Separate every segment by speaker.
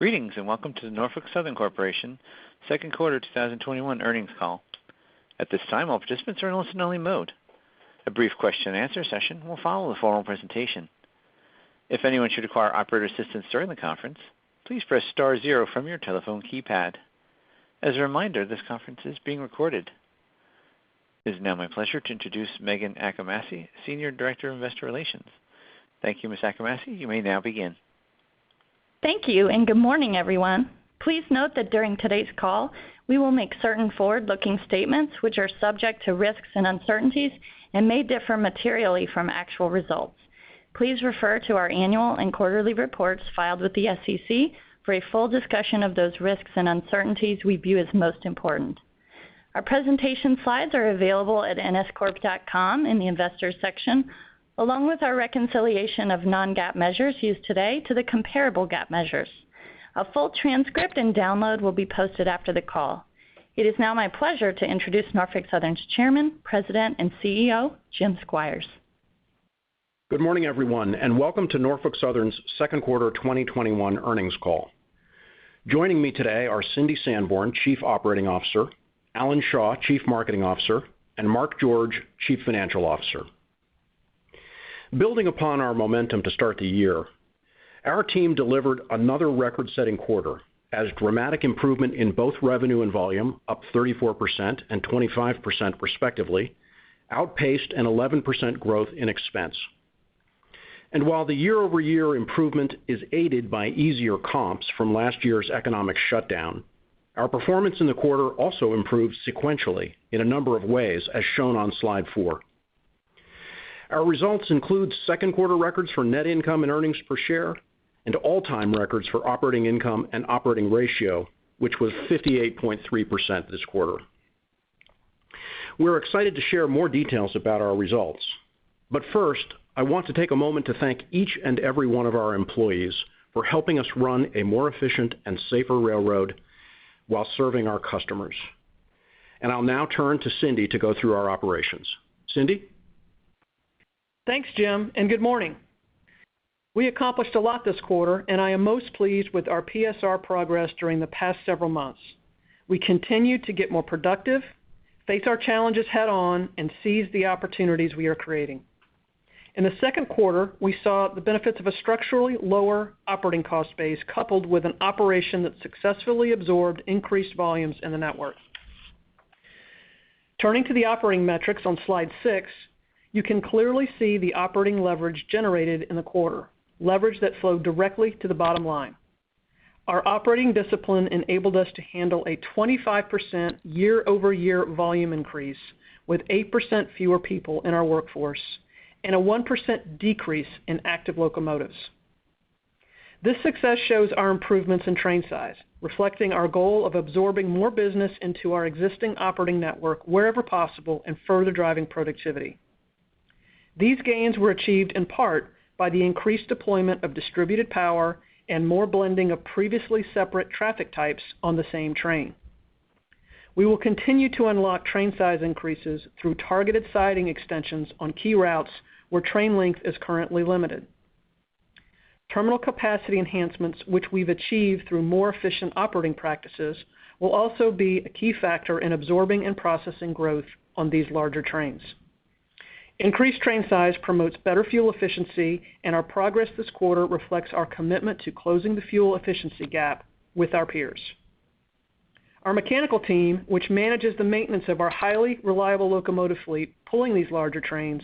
Speaker 1: Greetings, and welcome to the Norfolk Southern Corporation second quarter 2021 earnings call. At this time, all participants are in listen-only mode. A brief question-and-answer session will follow the formal presentation. If anyone should require operator assistance during the conference, please press star zero from your telephone keypad. As a reminder, this conference is being recorded. It is now my pleasure to introduce Meghan Achimasi, Senior Director of Investor Relations. Thank you, Ms. Achimasi. You may now begin.
Speaker 2: Thank you, and good morning, everyone. Please note that during today's call, we will make certain forward-looking statements which are subject to risks and uncertainties and may differ materially from actual results. Please refer to our annual and quarterly reports filed with the SEC for a full discussion of those risks and uncertainties we view as most important. Our presentation slides are available at nscorp.com in the Investors section, along with our reconciliation of non-GAAP measures used today to the comparable GAAP measures. A full transcript and download will be posted after the call. It is now my pleasure to introduce Norfolk Southern's Chairman, President, and CEO, Jim Squires.
Speaker 3: Good morning, everyone, and welcome to Norfolk Southern's second quarter 2021 earnings call. Joining me today are Cindy Sanborn, Chief Operating Officer, Alan Shaw, Chief Marketing Officer, and Mark George, Chief Financial Officer. Building upon our momentum to start the year, our team delivered another record-setting quarter as dramatic improvement in both revenue and volume, up 34% and 25% respectively, outpaced an 11% growth in expense. While the year-over-year improvement is aided by easier comps from last year's economic shutdown, our performance in the quarter also improved sequentially in a number of ways, as shown on slide four. Our results include second-quarter records for net income and earnings per share and all-time records for operating income and operating ratio, which was 58.3% this quarter. We're excited to share more details about our results. First, I want to take a moment to thank each and every one of our employees for helping us run a more efficient and safer railroad while serving our customers. I'll now turn to Cindy to go through our operations. Cindy?
Speaker 4: Thanks, Jim. Good morning. We accomplished a lot this quarter, and I am most pleased with our PSR progress during the past several months. We continue to get more productive, face our challenges head-on, and seize the opportunities we are creating. In the second quarter, we saw the benefits of a structurally lower operating cost base, coupled with an operation that successfully absorbed increased volumes in the network. Turning to the operating metrics on slide six, you can clearly see the operating leverage generated in the quarter, leverage that flowed directly to the bottom line. Our operating discipline enabled us to handle a 25% year-over-year volume increase with 8% fewer people in our workforce and a 1% decrease in active locomotives. This success shows our improvements in train size, reflecting our goal of absorbing more business into our existing operating network wherever possible and further driving productivity. These gains were achieved in part by the increased deployment of distributed power and more blending of previously separate traffic types on the same train. We will continue to unlock train size increases through targeted siding extensions on key routes where train length is currently limited. Terminal capacity enhancements, which we've achieved through more efficient operating practices, will also be a key factor in absorbing and processing growth on these larger trains. Increased train size promotes better fuel efficiency, and our progress this quarter reflects our commitment to closing the fuel efficiency gap with our peers. Our mechanical team, which manages the maintenance of our highly reliable locomotive fleet pulling these larger trains,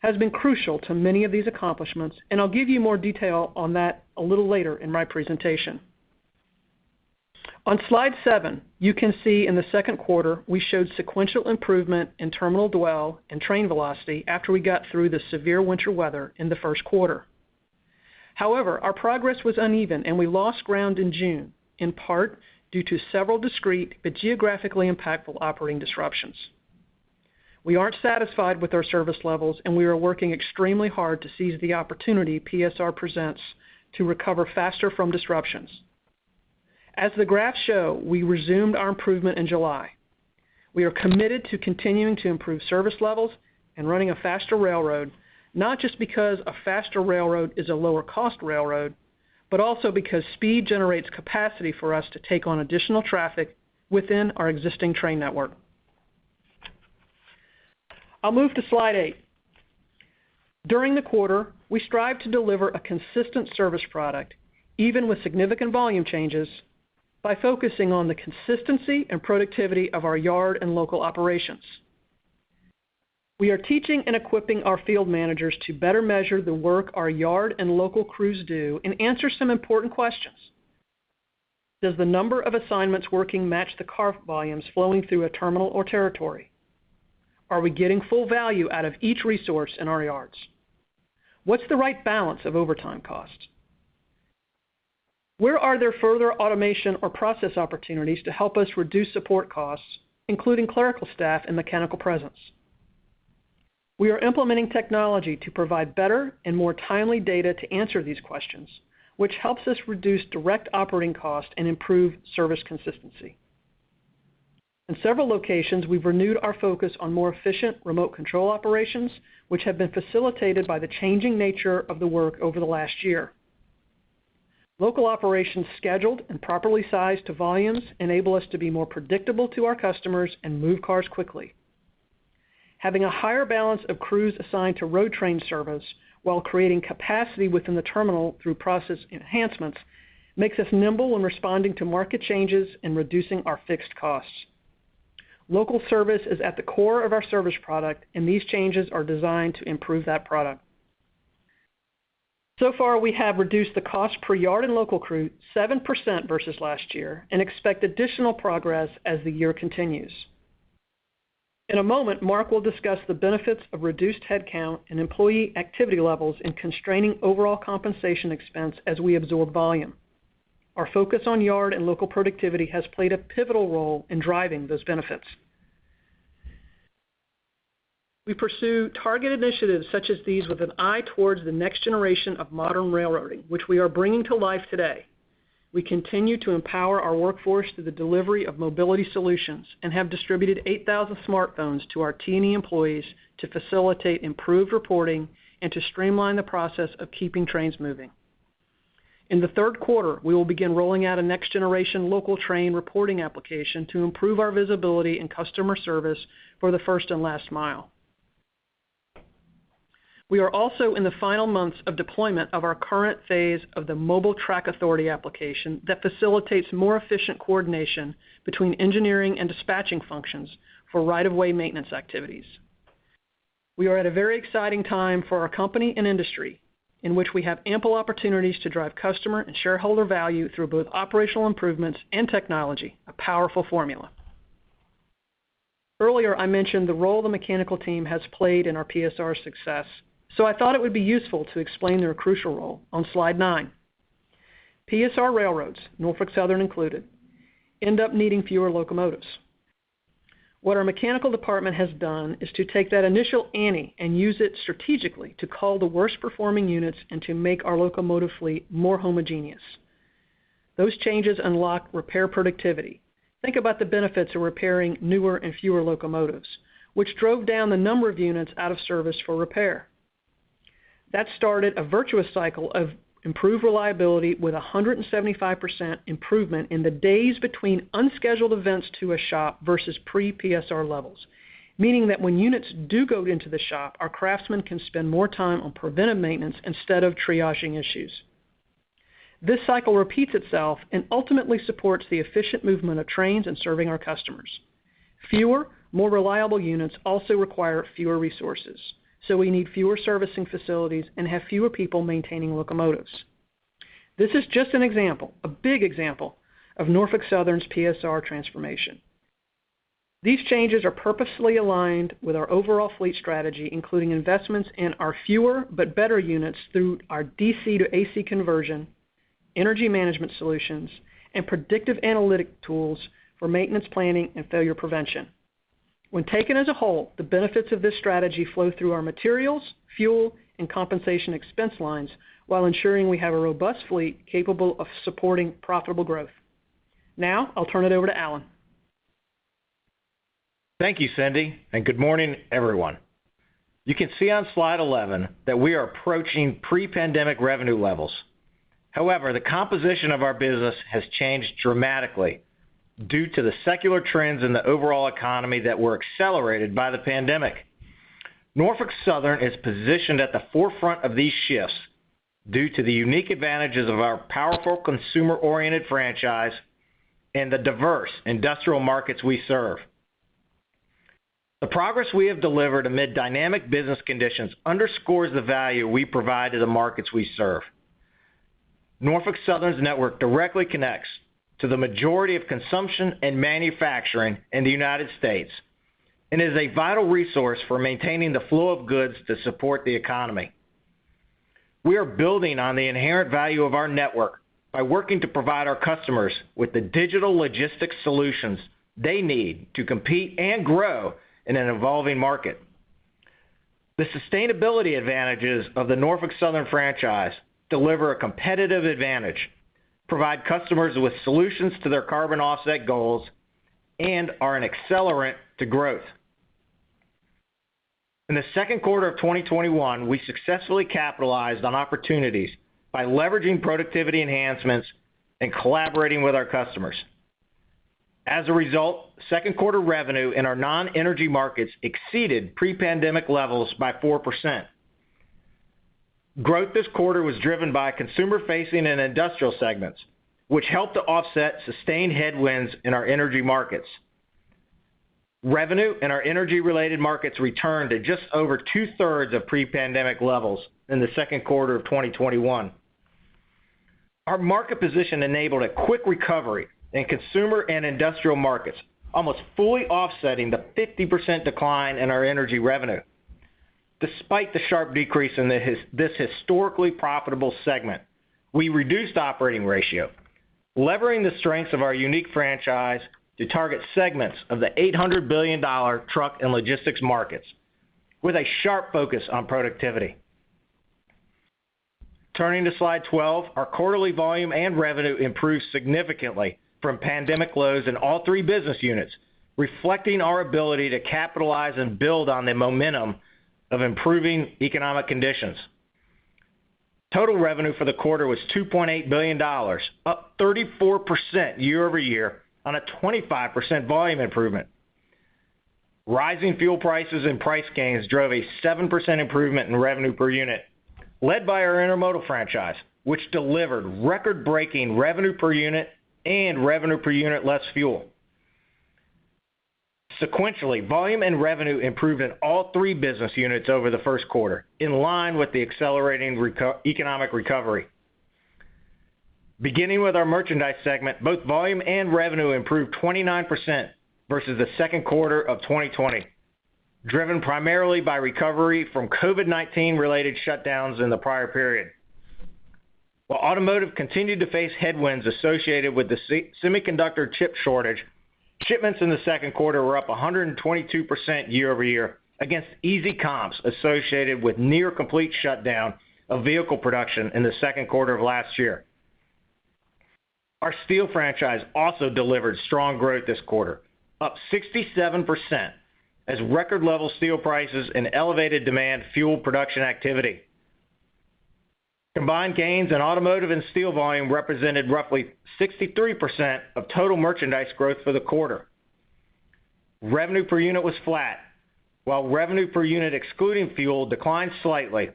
Speaker 4: has been crucial to many of these accomplishments, and I'll give you more detail on that a little later in my presentation. On slide seven, you can see in the second quarter, we showed sequential improvement in terminal dwell and train velocity after we got through the severe winter weather in the first quarter. However, our progress was uneven, and we lost ground in June, in part due to several discrete but geographically impactful operating disruptions. We aren't satisfied with our service levels, and we are working extremely hard to seize the opportunity PSR presents to recover faster from disruptions. As the graphs show, we resumed our improvement in July. We are committed to continuing to improve service levels and running a faster railroad, not just because a faster railroad is a lower cost railroad, but also because speed generates capacity for us to take on additional traffic within our existing train network. I'll move to slide eight. During the quarter, we strived to deliver a consistent service product, even with significant volume changes, by focusing on the consistency and productivity of our yard and local operations. We are teaching and equipping our field managers to better measure the work our yard and local crews do and answer some important questions. Does the number of assignments working match the car volumes flowing through a terminal or territory? Are we getting full value out of each resource in our yards? What's the right balance of overtime costs? Where are there further automation or process opportunities to help us reduce support costs, including clerical staff and mechanical presence? We are implementing technology to provide better and more timely data to answer these questions, which helps us reduce direct operating costs and improve service consistency. In several locations, we've renewed our focus on more efficient remote control operations, which have been facilitated by the changing nature of the work over the last year. Local operations scheduled and properly sized to volumes enable us to be more predictable to our customers and move cars quickly. Having a higher balance of crews assigned to road train service while creating capacity within the terminal through process enhancements, makes us nimble when responding to market changes and reducing our fixed costs. Local service is at the core of our service product, and these changes are designed to improve that product. So far, we have reduced the cost per yard in local crew 7% versus last year, and expect additional progress as the year continues. In a moment, Mark will discuss the benefits of reduced headcount and employee activity levels in constraining overall compensation expense as we absorb volume. Our focus on yard and local productivity has played a pivotal role in driving those benefits. We pursue target initiatives such as these with an eye towards the next generation of modern railroading, which we are bringing to life today. We continue to empower our workforce through the delivery of mobility solutions and have distributed 8,000 smartphones to our T&E employees to facilitate improved reporting and to streamline the process of keeping trains moving. In the third quarter, we will begin rolling out a next-generation local train reporting application to improve our visibility and customer service for the first and last mile. We are also in the final months of deployment of our current phase of the mobile track authority application that facilitates more efficient coordination between engineering and dispatching functions for right-of-way maintenance activities. We are at a very exciting time for our company and industry in which we have ample opportunities to drive customer and shareholder value through both operational improvements and technology, a powerful formula. Earlier, I mentioned the role the mechanical team has played in our PSR success, so I thought it would be useful to explain their crucial role on slide nine. PSR railroads, Norfolk Southern included, end up needing fewer locomotives. What our mechanical department has done is to take that initial ante and use it strategically to cull the worst-performing units and to make our locomotive fleet more homogeneous. Those changes unlock repair productivity. Think about the benefits of repairing newer and fewer locomotives, which drove down the number of units out of service for repair. That started a virtuous cycle of improved reliability with 175% improvement in the days between unscheduled events to a shop versus pre-PSR levels. Meaning that when units do go into the shop, our craftsmen can spend more time on preventive maintenance instead of triaging issues. This cycle repeats itself and ultimately supports the efficient movement of trains and serving our customers. Fewer, more reliable units also require fewer resources, so we need fewer servicing facilities and have fewer people maintaining locomotives. This is just an example, a big example, of Norfolk Southern's PSR transformation. These changes are purposely aligned with our overall fleet strategy, including investments in our fewer but better units through our DC to AC conversion, energy management solutions, and predictive analytic tools for maintenance planning and failure prevention. When taken as a whole, the benefits of this strategy flow through our materials, fuel, and compensation expense lines while ensuring we have a robust fleet capable of supporting profitable growth. I'll turn it over to Alan.
Speaker 5: Thank you, Cindy, and good morning, everyone. You can see on slide 11 that we are approaching pre-pandemic revenue levels. However, the composition of our business has changed dramatically due to the secular trends in the overall economy that were accelerated by the pandemic. Norfolk Southern is positioned at the forefront of these shifts due to the unique advantages of our powerful consumer-oriented franchise and the diverse industrial markets we serve. The progress we have delivered amid dynamic business conditions underscores the value we provide to the markets we serve. Norfolk Southern's network directly connects to the majority of consumption and manufacturing in the United States and is a vital resource for maintaining the flow of goods to support the economy. We are building on the inherent value of our network by working to provide our customers with the digital logistics solutions they need to compete and grow in an evolving market. The sustainability advantages of the Norfolk Southern franchise deliver a competitive advantage, provide customers with solutions to their carbon offset goals, and are an accelerant to growth. In the second quarter of 2021, we successfully capitalized on opportunities by leveraging productivity enhancements and collaborating with our customers. As a result, second quarter revenue in our non-energy markets exceeded pre-pandemic levels by 4%. Growth this quarter was driven by consumer-facing and industrial segments, which helped to offset sustained headwinds in our energy markets. Revenue in our energy-related markets returned to just over two-thirds of pre-pandemic levels in the second quarter of 2021. Our market position enabled a quick recovery in consumer and industrial markets, almost fully offsetting the 50% decline in our energy revenue. Despite the sharp decrease in this historically profitable segment, we reduced operating ratio, levering the strengths of our unique franchise to target segments of the $800 billion truck and logistics markets with a sharp focus on productivity. Turning to slide 12, our quarterly volume and revenue improved significantly from pandemic lows in all three business units, reflecting our ability to capitalize and build on the momentum of improving economic conditions. Total revenue for the quarter was $2.8 billion, up 34% year-over-year on a 25% volume improvement. Rising fuel prices and price gains drove a 7% improvement in revenue per unit, led by our intermodal franchise, which delivered record-breaking revenue per unit and revenue per unit less fuel. Sequentially, volume and revenue improved in all three business units over the first quarter, in line with the accelerating economic recovery. Beginning with our merchandise segment, both volume and revenue improved 29% versus the second quarter of 2020, driven primarily by recovery from COVID-19 related shutdowns in the prior period. While automotive continued to face headwinds associated with the semiconductor chip shortage, shipments in the second quarter were up 122% year-over-year against easy comps associated with near complete shutdown of vehicle production in the second quarter of last year. Our steel franchise also delivered strong growth this quarter, up 67%, as record level steel prices and elevated demand fueled production activity. Combined gains in automotive and steel volume represented roughly 63% of total merchandise growth for the quarter. Revenue per unit was flat, while revenue per unit excluding fuel declined slightly,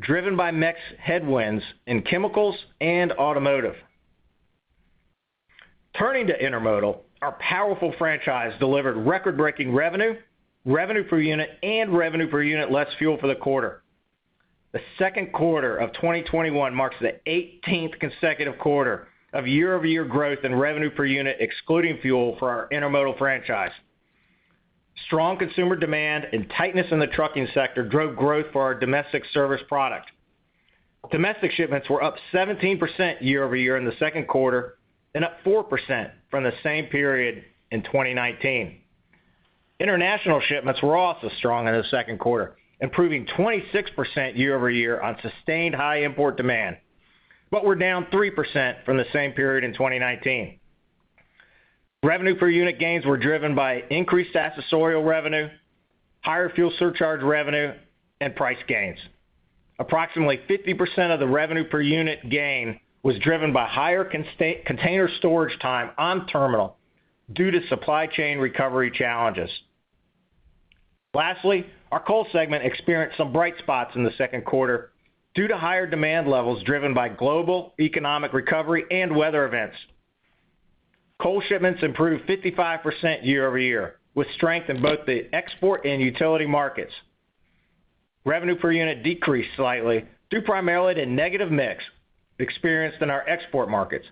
Speaker 5: driven by mix headwinds in chemicals and automotive. Turning to intermodal, our powerful franchise delivered record-breaking revenue per unit, and revenue per unit less fuel for the quarter. The second quarter of 2021 marks the 18th consecutive quarter of year-over-year growth in revenue per unit excluding fuel for our intermodal franchise. Strong consumer demand and tightness in the trucking sector drove growth for our domestic service product. Domestic shipments were up 17% year-over-year in the second quarter and up 4% from the same period in 2019. International shipments were also strong in the second quarter, improving 26% year-over-year on sustained high import demand, but were down 3% from the same period in 2019. Revenue per unit gains were driven by increased accessorial revenue, higher fuel surcharge revenue, and price gains. Approximately 50% of the revenue per unit gain was driven by higher container storage time on terminal due to supply chain recovery challenges. Lastly, our coal segment experienced some bright spots in the second quarter due to higher demand levels driven by global economic recovery and weather events. Coal shipments improved 55% year-over-year with strength in both the export and utility markets. Revenue per unit decreased slightly due primarily to negative mix experienced in our export markets,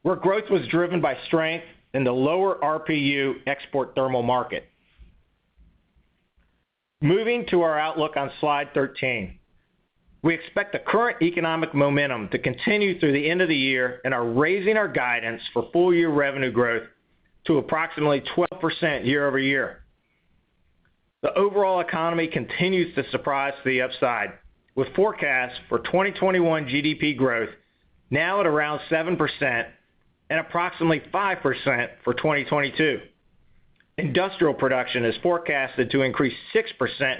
Speaker 5: where growth was driven by strength in the lower RPU export thermal market. Moving to our outlook on slide 13. We expect the current economic momentum to continue through the end of the year and are raising our guidance for full year revenue growth to approximately 12% year-over-year. The overall economy continues to surprise to the upside with forecasts for 2021 GDP growth now at around 7% and approximately 5% for 2022. Industrial production is forecasted to increase 6%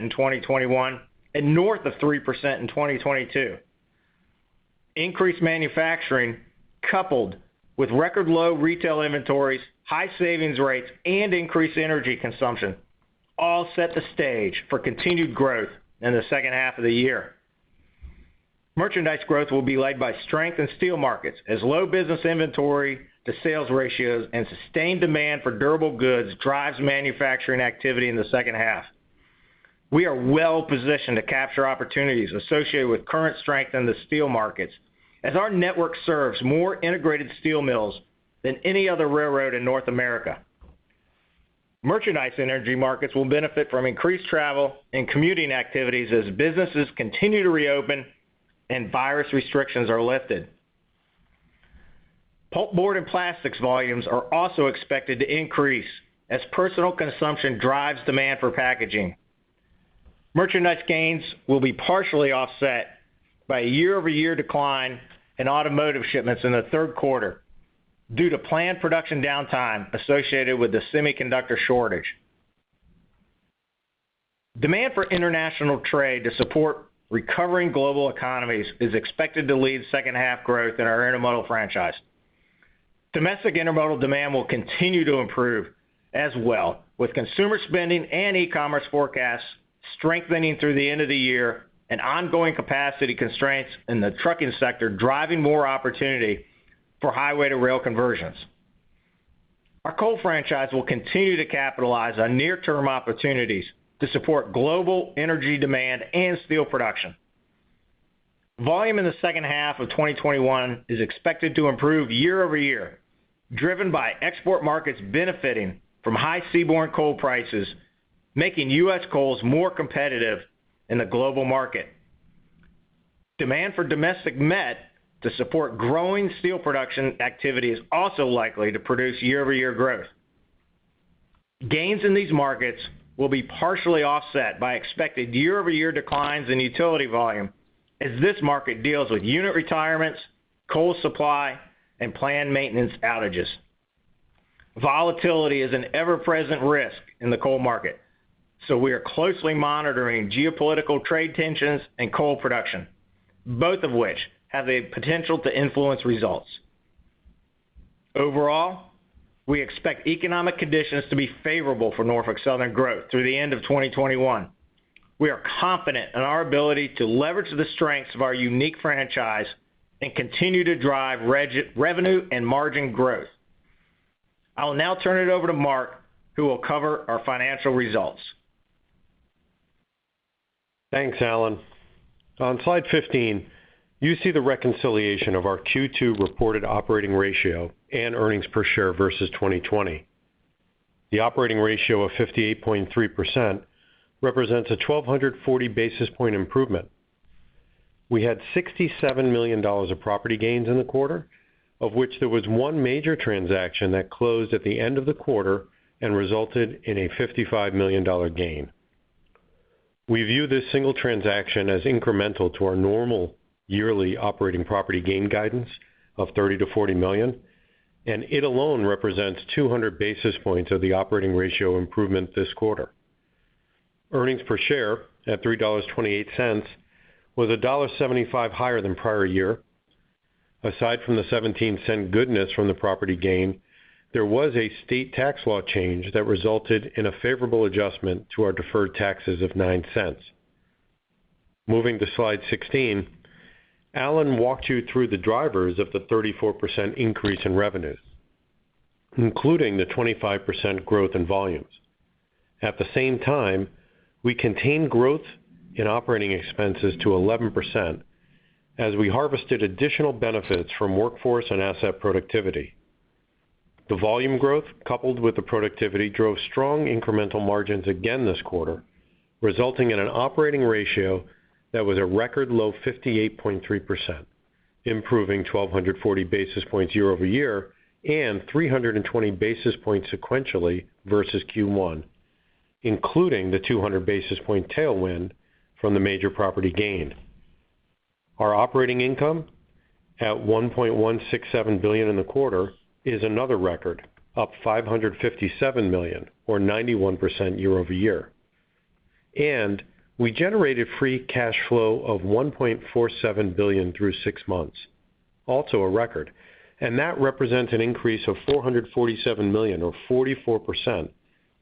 Speaker 5: in 2021 and north of 3% in 2022. Increased manufacturing coupled with record low retail inventories, high savings rates, and increased energy consumption all set the stage for continued growth in the second half of the year. Merchandise growth will be led by strength in steel markets as low business inventory to sales ratios and sustained demand for durable goods drives manufacturing activity in the second half. We are well positioned to capture opportunities associated with current strength in the steel markets as our network serves more integrated steel mills than any other railroad in North America. Merchandise energy markets will benefit from increased travel and commuting activities as businesses continue to reopen and virus restrictions are lifted. Pulp, board, and plastics volumes are also expected to increase as personal consumption drives demand for packaging. Merchandise gains will be partially offset by a year-over-year decline in automotive shipments in the third quarter due to planned production downtime associated with the semiconductor shortage. Demand for international trade to support recovering global economies is expected to lead second half growth in our intermodal franchise. Domestic intermodal demand will continue to improve as well with consumer spending and e-commerce forecasts strengthening through the end of the year and ongoing capacity constraints in the trucking sector driving more opportunity for highway to rail conversions. Our coal franchise will continue to capitalize on near term opportunities to support global energy demand and steel production. Volume in the second half of 2021 is expected to improve year-over-year, driven by export markets benefiting from high seaborne coal prices, making U.S. coals more competitive in the global market. Demand for domestic met to support growing steel production activity is also likely to produce year-over-year growth. Gains in these markets will be partially offset by expected year-over-year declines in utility volume as this market deals with unit retirements, coal supply, and planned maintenance outages. We are closely monitoring geopolitical trade tensions and coal production, both of which have the potential to influence results. Overall, we expect economic conditions to be favorable for Norfolk Southern growth through the end of 2021. We are confident in our ability to leverage the strengths of our unique franchise and continue to drive revenue and margin growth. I will now turn it over to Mark, who will cover our financial results.
Speaker 6: Thanks, Alan. On slide 15, you see the reconciliation of our Q2 reported operating ratio and earnings per share versus 2020. The operating ratio of 58.3% represents a 1,240 basis point improvement. We had $67 million of property gains in the quarter, of which there was one major transaction that closed at the end of the quarter and resulted in a $55 million gain. We view this single transaction as incremental to our normal yearly operating property gain guidance of $30 million-$40 million, and it alone represents 200 basis points of the operating ratio improvement this quarter. Earnings per share at $3.28 was $1.75 higher than prior year. Aside from the $0.17 goodness from the property gain, there was a state tax law change that resulted in a favorable adjustment to our deferred taxes of $0.09. Moving to slide 16. Alan walked you through the drivers of the 34% increase in revenues, including the 25% growth in volumes. At the same time, we contained growth in operating expenses to 11% as we harvested additional benefits from workforce and asset productivity. The volume growth, coupled with the productivity, drove strong incremental margins again this quarter, resulting in an operating ratio that was a record low 58.3%, improving 1,240 basis points year-over-year and 320 basis points sequentially versus Q1, including the 200 basis point tailwind from the major property gain. Our operating income at $1.167 billion in the quarter is another record, up $557 million or 91% year-over-year. We generated free cash flow of $1.47 billion through six months, also a record, and that represents an increase of $447 million or 44%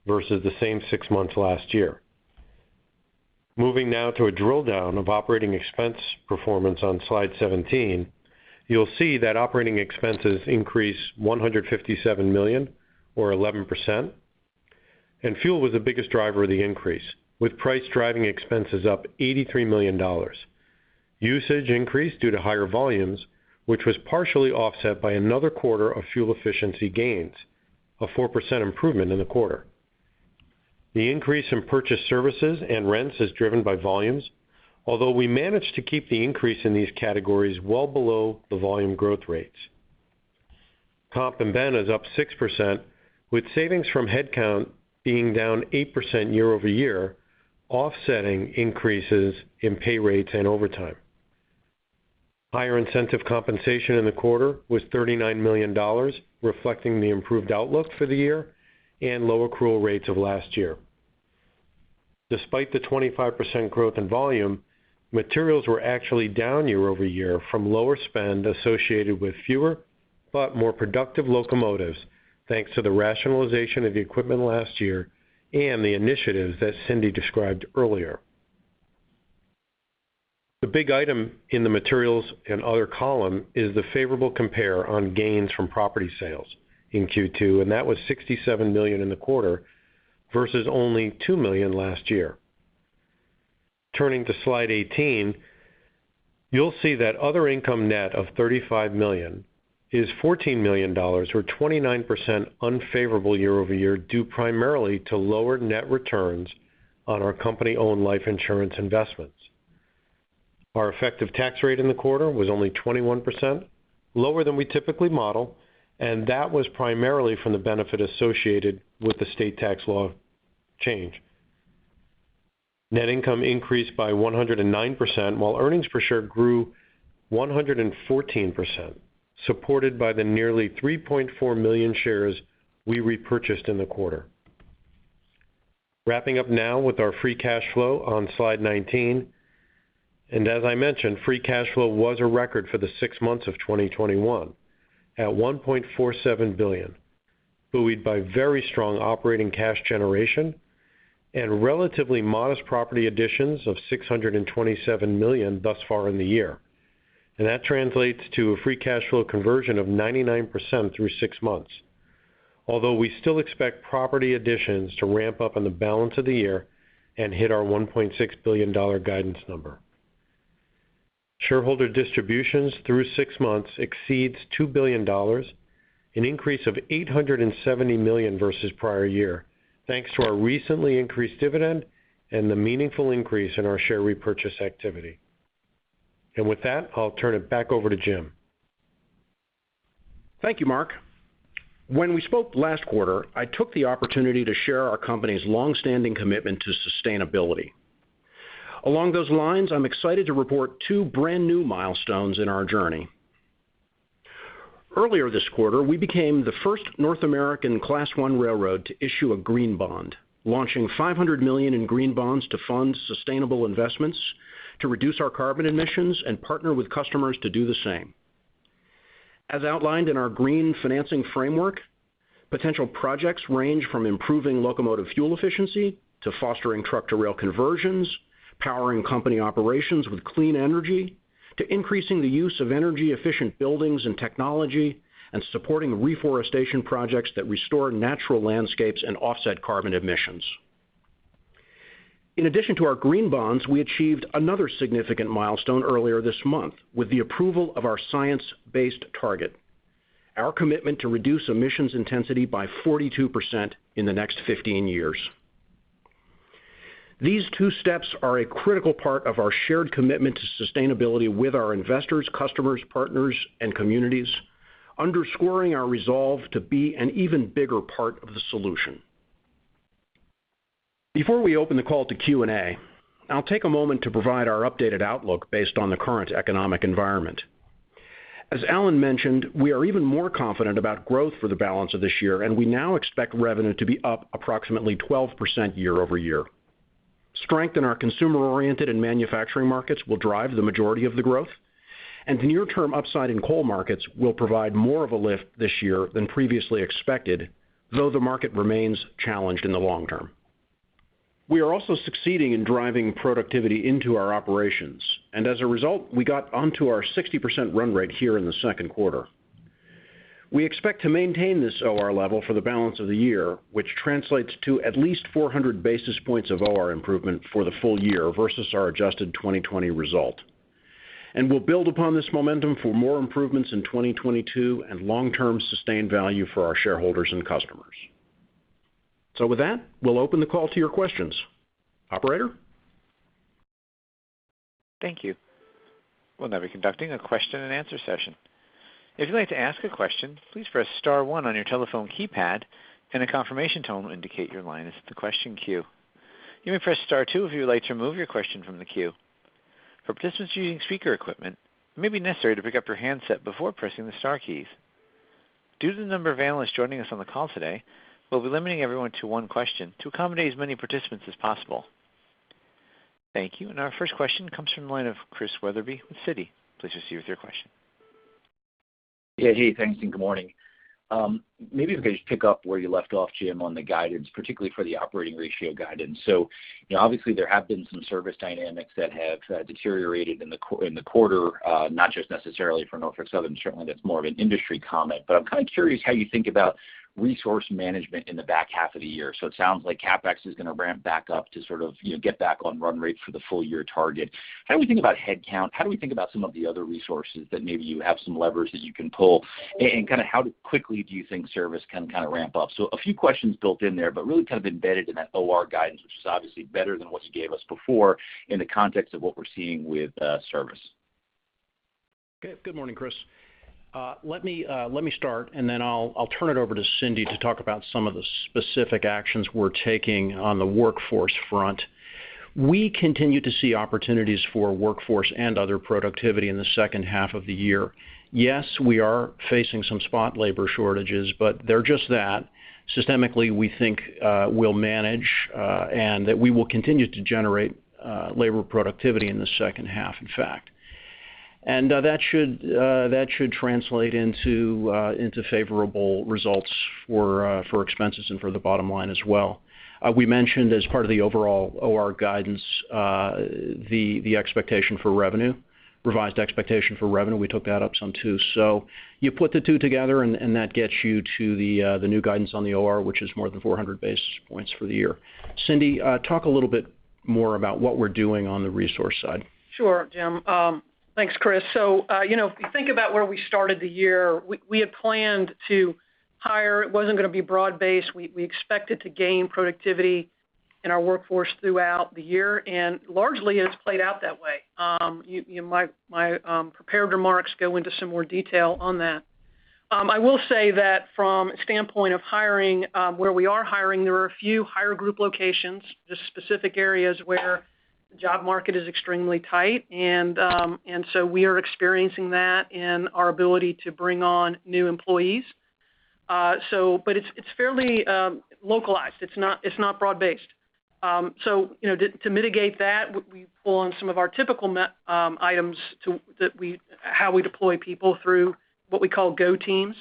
Speaker 6: versus the same six months last year. Moving now to a drill down of operating expense performance on slide 17. You'll see that operating expenses increased $157 million or 11%, and fuel was the biggest driver of the increase, with price driving expenses up $83 million. Usage increased due to higher volumes, which was partially offset by another quarter of fuel efficiency gains, a 4% improvement in the quarter. The increase in purchase services and rents is driven by volumes, although we managed to keep the increase in these categories well below the volume growth rates. Comp and ben is up 6%, with savings from headcount being down 8% year-over-year, offsetting increases in pay rates and overtime. Higher incentive compensation in the quarter was $39 million, reflecting the improved outlook for the year and low accrual rates of last year. Despite the 25% growth in volume, materials were actually down year-over-year from lower spend associated with fewer but more productive locomotives, thanks to the rationalization of the equipment last year and the initiatives that Cindy described earlier. The big item in the materials and other column is the favorable compare on gains from property sales in Q2, and that was $67 million in the quarter versus only $2 million last year. Turning to slide 18, you'll see that other income net of $35 million is $14 million, or 29% unfavorable year-over-year, due primarily to lower net returns on our company-owned life insurance investments. Our effective tax rate in the quarter was only 21%, lower than we typically model, and that was primarily from the benefit associated with the state tax law change. Net income increased by 109%, while earnings per share grew 114%, supported by the nearly 3.4 million shares we repurchased in the quarter. Wrapping up now with our free cash flow on slide 19. As I mentioned, free cash flow was a record for the six months of 2021 at $1.47 billion, buoyed by very strong operating cash generation and relatively modest property additions of $627 million thus far in the year. That translates to a free cash flow conversion of 99% through six months. Although we still expect property additions to ramp up in the balance of the year and hit our $1.6 billion guidance number. Shareholder distributions through six months exceeds $2 billion, an increase of $870 million versus prior year, thanks to our recently increased dividend and the meaningful increase in our share repurchase activity. With that, I'll turn it back over to Jim.
Speaker 3: Thank you, Mark. When we spoke last quarter, I took the opportunity to share our company's longstanding commitment to sustainability. Along those lines, I'm excited to report two brand new milestones in our journey. Earlier this quarter, we became the first North American Class I railroad to issue a green bond, launching $500 million in green bonds to fund sustainable investments to reduce our carbon emissions and partner with customers to do the same. As outlined in our green financing framework, potential projects range from improving locomotive fuel efficiency, to fostering truck-to-rail conversions, powering company operations with clean energy, to increasing the use of energy efficient buildings and technology, and supporting reforestation projects that restore natural landscapes and offset carbon emissions. In addition to our green bonds, we achieved another significant milestone earlier this month with the approval of our science-based target, our commitment to reduce emissions intensity by 42% in the next 15 years. These two steps are a critical part of our shared commitment to sustainability with our investors, customers, partners, and communities, underscoring our resolve to be an even bigger part of the solution. Before we open the call to Q&A, I'll take a moment to provide our updated outlook based on the current economic environment. As Alan mentioned, we are even more confident about growth for the balance of this year, and we now expect revenue to be up approximately 12% year-over-year. Strength in our consumer-oriented and manufacturing markets will drive the majority of the growth, and the near-term upside in coal markets will provide more of a lift this year than previously expected, though the market remains challenged in the long term. We are also succeeding in driving productivity into our operations, and as a result, we got onto our 60% run rate here in the Q2. We expect to maintain this OR level for the balance of the year, which translates to at least 400 basis points of OR improvement for the full year versus our adjusted 2020 result. We'll build upon this momentum for more improvements in 2022 and long-term sustained value for our shareholders and customers. With that, we'll open the call to your questions. Operator?
Speaker 1: Thank you. We will now be conducting a question and answer session. If you would like to ask a question, please press star one on your telephone keypad, and a confirmation tone will indicate your line is in the question queue. You may press star two if you would like to remove your question from the queue. For participants using speaker equipment, it may be necessary to pick up your handset before pressing the star keys. Due to the number of analysts joining us on the call today, we will be limiting everyone to one question to accommodate as many participants as possible. Thank you. Our first question comes from the line of Chris Wetherbee with Citi. Please proceed with your question.
Speaker 7: Yeah, hey, thanks and good morning. Maybe if I could just pick up where you left off, Jim, on the guidance, particularly for the operating ratio guidance. Obviously, there have been some service dynamics that have deteriorated in the quarter, not just necessarily for Norfolk Southern. Certainly, that's more of an industry comment. I'm kind of curious how you think about resource management in the back half of the year. It sounds like CapEx is going to ramp back up to sort of get back on run rate for the full-year target. How do we think about headcount? How do we think about some of the other resources that maybe you have some levers that you can pull? How quickly do you think service can kind of ramp up? A few questions built in there, but really kind of embedded in that OR guidance, which is obviously better than what you gave us before in the context of what we're seeing with service.
Speaker 3: Good morning, Chris. Let me start, and then I'll turn it over to Cindy to talk about some of the specific actions we're taking on the workforce front. We continue to see opportunities for workforce and other productivity in the second half of the year. Yes, we are facing some spot labor shortages, but they're just that. Systemically, we think we'll manage, and that we will continue to generate labor productivity in the second half, in fact. That should translate into favorable results for expenses and for the bottom line as well. We mentioned, as part of the overall OR guidance, the revised expectation for revenue. We took that up some, too. You put the two together, and that gets you to the new guidance on the OR, which is more than 400 basis points for the year. Cindy, talk a little bit more about what we're doing on the resource side.
Speaker 4: Sure, Jim. Thanks, Chris. If you think about where we started the year, we had planned to hire. It wasn't going to be broad-based. We expected to gain productivity in our workforce throughout the year, and largely it's played out that way. My prepared remarks go into some more detail on that. I will say that from a standpoint of hiring, where we are hiring, there are a few high growth locations, just specific areas where the job market is extremely tight. We are experiencing that in our ability to bring on new employees. It's fairly localized. It's not broad-based. To mitigate that, we pull on some of our typical items, how we deploy people through what we call Go Teams,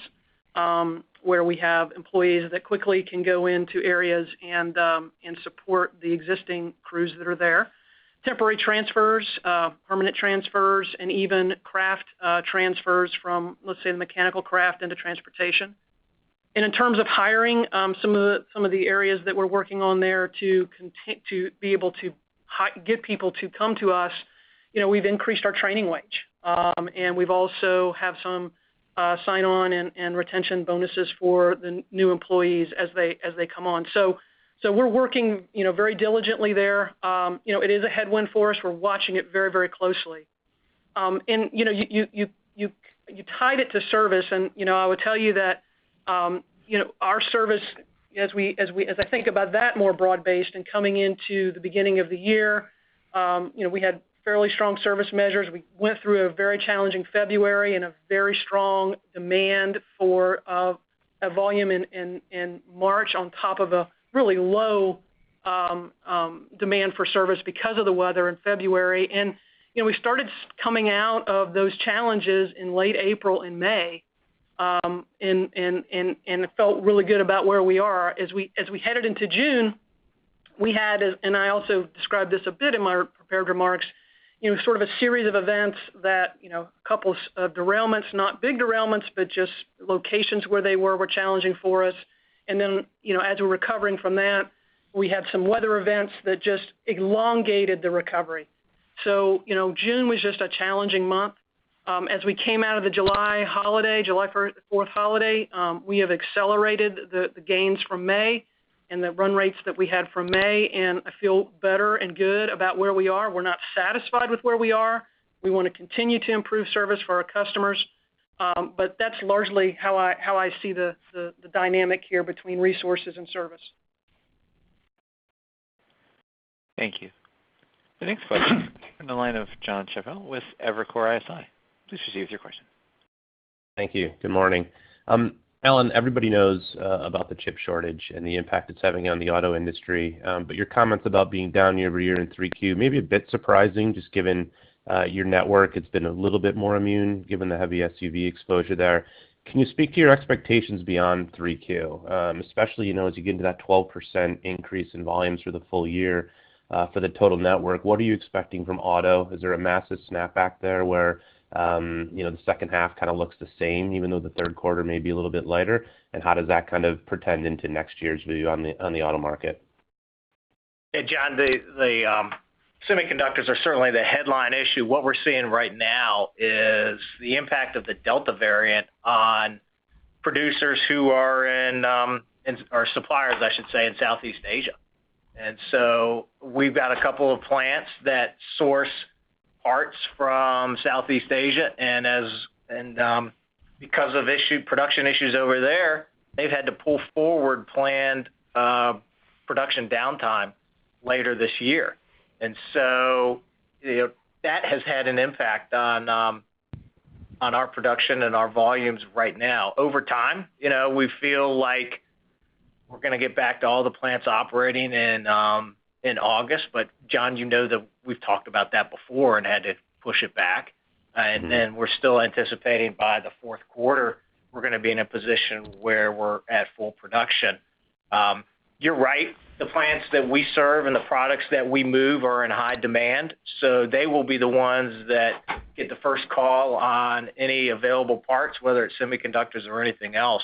Speaker 4: where we have employees that quickly can go into areas and support the existing crews that are there. Temporary transfers, permanent transfers, and even craft transfers from, let's say, the mechanical craft into transportation. In terms of hiring, some of the areas that we're working on there to be able to get people to come to us, we've increased our training wage. We've also have some sign-on and retention bonuses for the new employees as they come on. We're working very diligently there. It is a headwind for us. We're watching it very closely. You tied it to service and I would tell you that our service, as I think about that more broad-based and coming into the beginning of the year, we had fairly strong service measures. We went through a very challenging February and a very strong demand for a volume in March on top of a really low demand for service because of the weather in February. We started coming out of those challenges in late April and May, and felt really good about where we are. As we headed into June, we had, and I also described this a bit in my prepared remarks, sort of a series of events that, couple of derailments, not big derailments, but just locations where they were challenging for us. Then, as we're recovering from that, we had some weather events that just elongated the recovery. June was just a challenging month. As we came out of the July 4th holiday, we have accelerated the gains from May and the run rates that we had from May, and I feel better and good about where we are. We're not satisfied with where we are. We want to continue to improve service for our customers. That's largely how I see the dynamic here between resources and service.
Speaker 1: Thank you. The next question comes from the line of Jonathan Chappell with Evercore ISI. Please proceed with your question.
Speaker 8: Thank you. Good morning. Alan, everybody knows about the chip shortage and the impact it's having on the auto industry. Your comments about being down year-over-year in 3Q may be a bit surprising just given your network. It's been a little bit more immune, given the heavy SUV exposure there. Can you speak to your expectations beyond 3Q? Especially, as you get into that 12% increase in volumes for the full year, for the total network, what are you expecting from auto? Is there a massive snapback there where the second half kind of looks the same, even though the third quarter may be a little bit lighter? How does that kind of portend into next year's view on the auto market?
Speaker 5: Hey, Jon, the semiconductors are certainly the headline issue. What we're seeing right now is the impact of the Delta variant on producers who are in, or suppliers, I should say, in Southeast Asia. We've got a couple of plants that source parts from Southeast Asia, and because of production issues over there, they've had to pull forward planned production downtime later this year. That has had an impact on our production and our volumes right now. Over time, we feel like we're going to get back to all the plants operating in August. Jonathan, you know that we've talked about that before and had to push it back. We're still anticipating by the fourth quarter, we're going to be in a position where we're at full production. You're right, the plants that we serve and the products that we move are in high demand, so they will be the ones that get the first call on any available parts, whether it's semiconductors or anything else.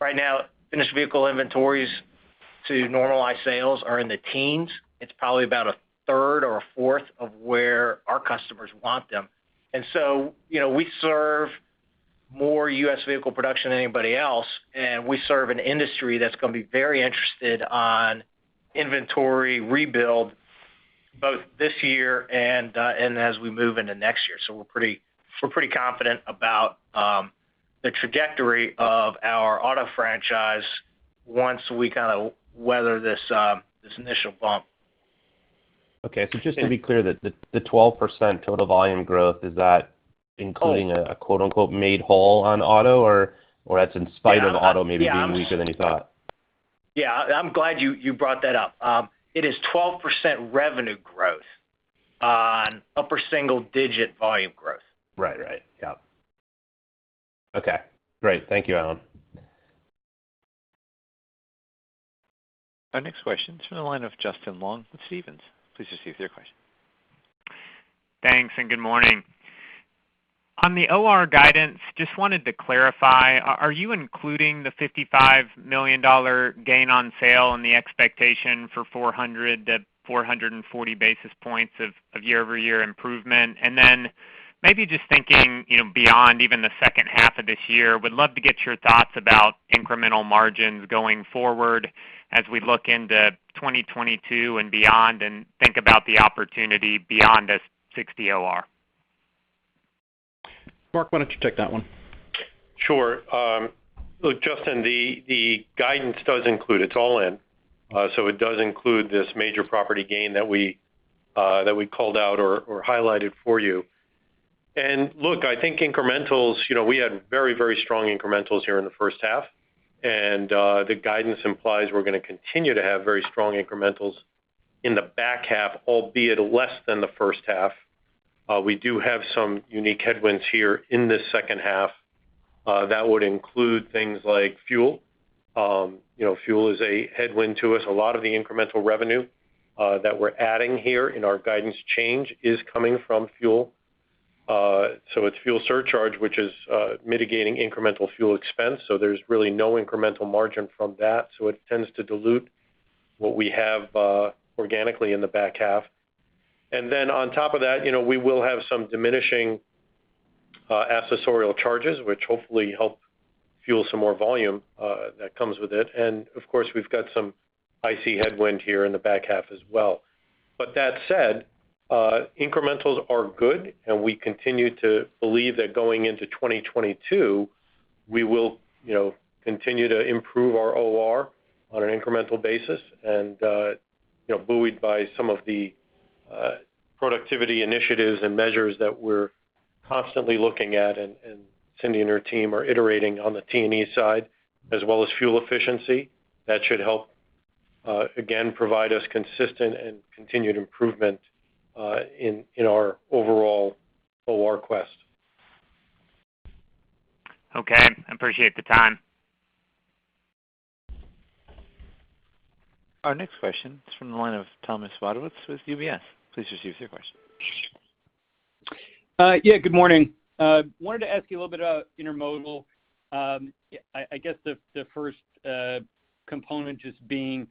Speaker 5: Right now, finished vehicle inventories to normalized sales are in the teens. It's probably about a third or a fourth of where our customers want them. We serve more U.S. vehicle production than anybody else, and we serve an industry that's going to be very interested on inventory rebuild both this year and as we move into next year. We're pretty confident about the trajectory of our auto franchise once we kind of weather this initial bump.
Speaker 8: Just to be clear, the 12% total volume growth, is that including a quote unquote made whole on auto or that's in spite of auto maybe being weaker than you thought?
Speaker 5: Yeah. I'm glad you brought that up. It is 12% revenue growth on upper single-digit volume growth.
Speaker 8: Right. Yep. Okay, great. Thank you, Alan.
Speaker 1: Our next question's from the line of Justin Long with Stephens. Please proceed with your question.
Speaker 9: Thanks and good morning. On the OR guidance, just wanted to clarify, are you including the $55 million gain on sale and the expectation for 400 basis points-440 basis points of year-over-year improvement? Maybe just thinking, beyond even the second half of this year, would love to get your thoughts about incremental margins going forward as we look into 2022 and beyond, and think about the opportunity beyond a 60% OR.
Speaker 3: Mark, why don't you take that one?
Speaker 6: Sure. Look, Justin, the guidance does include, it's all in, so it does include this major property gain that we called out or highlighted for you. Look, I think incrementals, we had very strong incrementals here in the first half, and the guidance implies we're going to continue to have very strong incrementals in the back half, albeit less than the first half. We do have some unique headwinds here in this second half. That would include things like fuel. Fuel is a headwind to us. A lot of the incremental revenue that we're adding here in our guidance change is coming from fuel. It's fuel surcharge, which is mitigating incremental fuel expense, so there's really no incremental margin from that, so it tends to dilute what we have organically in the back half. On top of that, we will have some diminishing Accessorial charges, which hopefully help fuel some more volume that comes with it. Of course, we've got some IC headwind here in the back half as well. That said, incrementals are good, and we continue to believe that going into 2022, we will continue to improve our OR on an incremental basis. Buoyed by some of the productivity initiatives and measures that we're constantly looking at, and Cindy and her team are iterating on the T&E side, as well as fuel efficiency. That should help, again, provide us consistent and continued improvement in our overall OR quest.
Speaker 9: Okay. I appreciate the time.
Speaker 1: Our next question is from the line of Thomas Wadewitz with UBS. Please proceed with your question.
Speaker 10: Yeah, good morning. Wanted to ask you a little bit about intermodal. I guess the first component just being,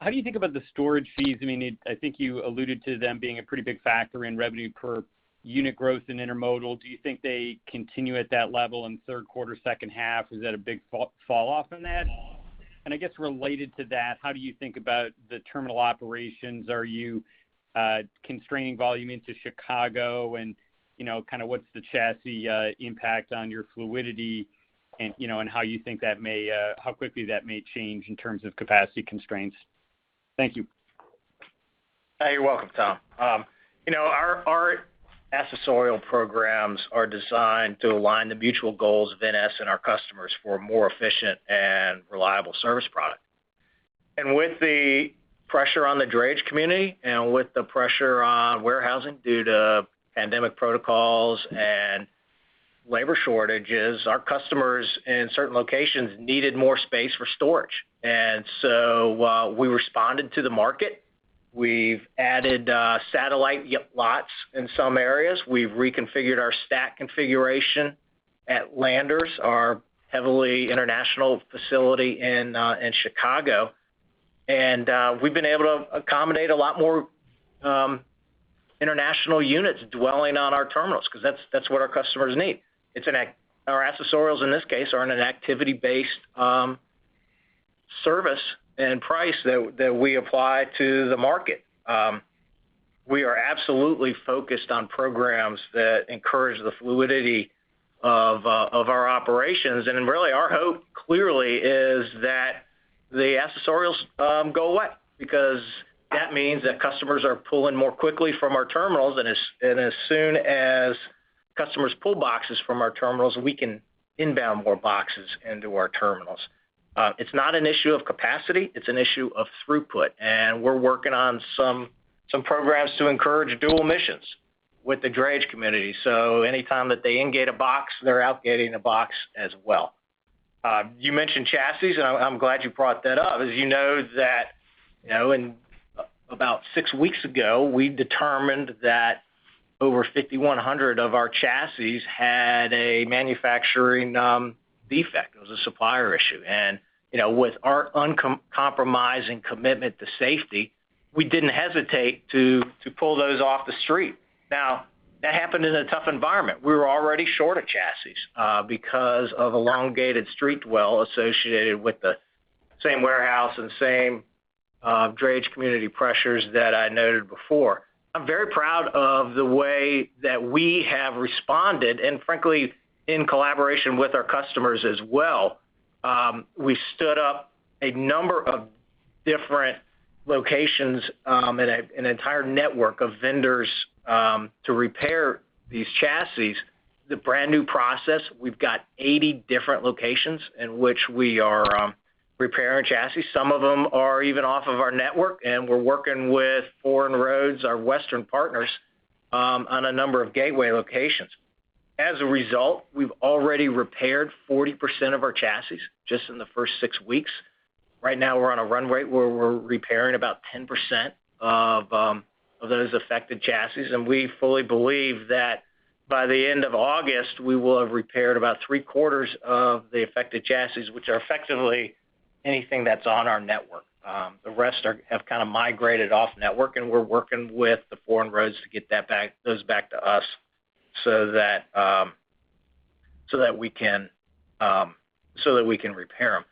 Speaker 10: how do you think about the storage fees? I think you alluded to them being a pretty big factor in revenue per unit growth in intermodal. Do you think they continue at that level in the third quarter, second half? Is that a big fall-off in that? I guess related to that, how do you think about the terminal operations? Are you constraining volume into Chicago, and what's the chassis impact on your fluidity and how quickly that may change in terms of capacity constraints? Thank you.
Speaker 5: You're welcome, Tom. Our accessorial programs are designed to align the mutual goals of NS and our customers for a more efficient and reliable service product. With the pressure on the drayage community and with the pressure on warehousing due to pandemic protocols and labor shortages, our customers in certain locations needed more space for storage. So we responded to the market. We've added satellite lots in some areas. We've reconfigured our stack configuration at Landers, our heavily international facility in Chicago. We've been able to accommodate a lot more international units dwelling on our terminals, because that's what our customers need. Our accessorials, in this case, are an activity-based service and price that we apply to the market. We are absolutely focused on programs that encourage the fluidity of our operations. Really, our hope clearly is that the accessorials go away because that means that customers are pulling more quickly from our terminals. As soon as customers pull boxes from our terminals, we can inbound more boxes into our terminals. It's not an issue of capacity, it's an issue of throughput. We're working on some programs to encourage dual missions with the drayage community. Anytime that they ingate a box, they are outgating a box as well. You mentioned chassis. I'm glad you brought that up. As you know that about six weeks ago, we determined that over 5,100 of our chassis had a manufacturing defect. It was a supplier issue. With our uncompromising commitment to safety, we didn't hesitate to pull those off the street. That happened in a tough environment. We were already short of chassis because of elongated street dwell associated with the same warehouse and same drayage community pressures that I noted before. I'm very proud of the way that we have responded, and frankly, in collaboration with our customers as well. We stood up a number of different locations and an entire network of vendors to repair these chassis. It's a brand-new process. We've got 80 different locations in which we are repairing chassis. Some of them are even off of our network, and we're working with foreign roads, our western partners, on a number of gateway locations. As a result, we've already repaired 40% of our chassis just in the first six weeks. Right now, we're on a run rate where we're repairing about 10% of those affected chassis. We fully believe that by the end of August, we will have repaired about three-quarters of the affected chassis, which are effectively anything that's on our network. The rest have migrated off network, and we're working with the foreign roads to get those back to us, so that we can repair them.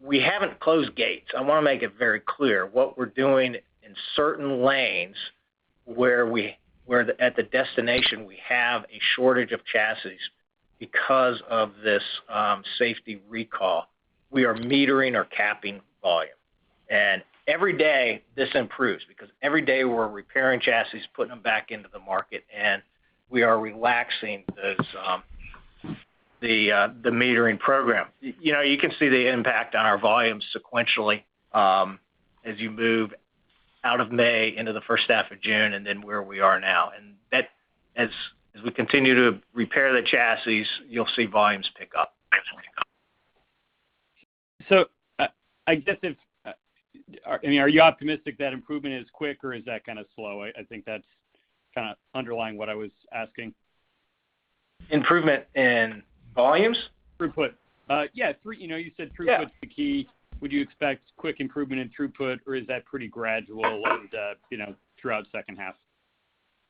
Speaker 5: We haven't closed gates. I want to make it very clear. What we're doing in certain lanes where at the destination we have a shortage of chassis because of this safety recall, we are metering or capping volume. Every day this improves because every day we're repairing chassis, putting them back into the market, and we are relaxing the metering program. You can see the impact on our volume sequentially as you move out of May into the first half of June, and then where we are now. As we continue to repair the chassis, you'll see volumes pick up.
Speaker 10: I guess, are you optimistic that improvement is quick, or is that kind of slow? I think that's underlying what I was asking.
Speaker 5: Improvement in volumes?
Speaker 10: Throughput. Yeah. You said throughput.
Speaker 5: Yeah
Speaker 10: is the key. Would you expect quick improvement in throughput, or is that pretty gradual throughout the second half?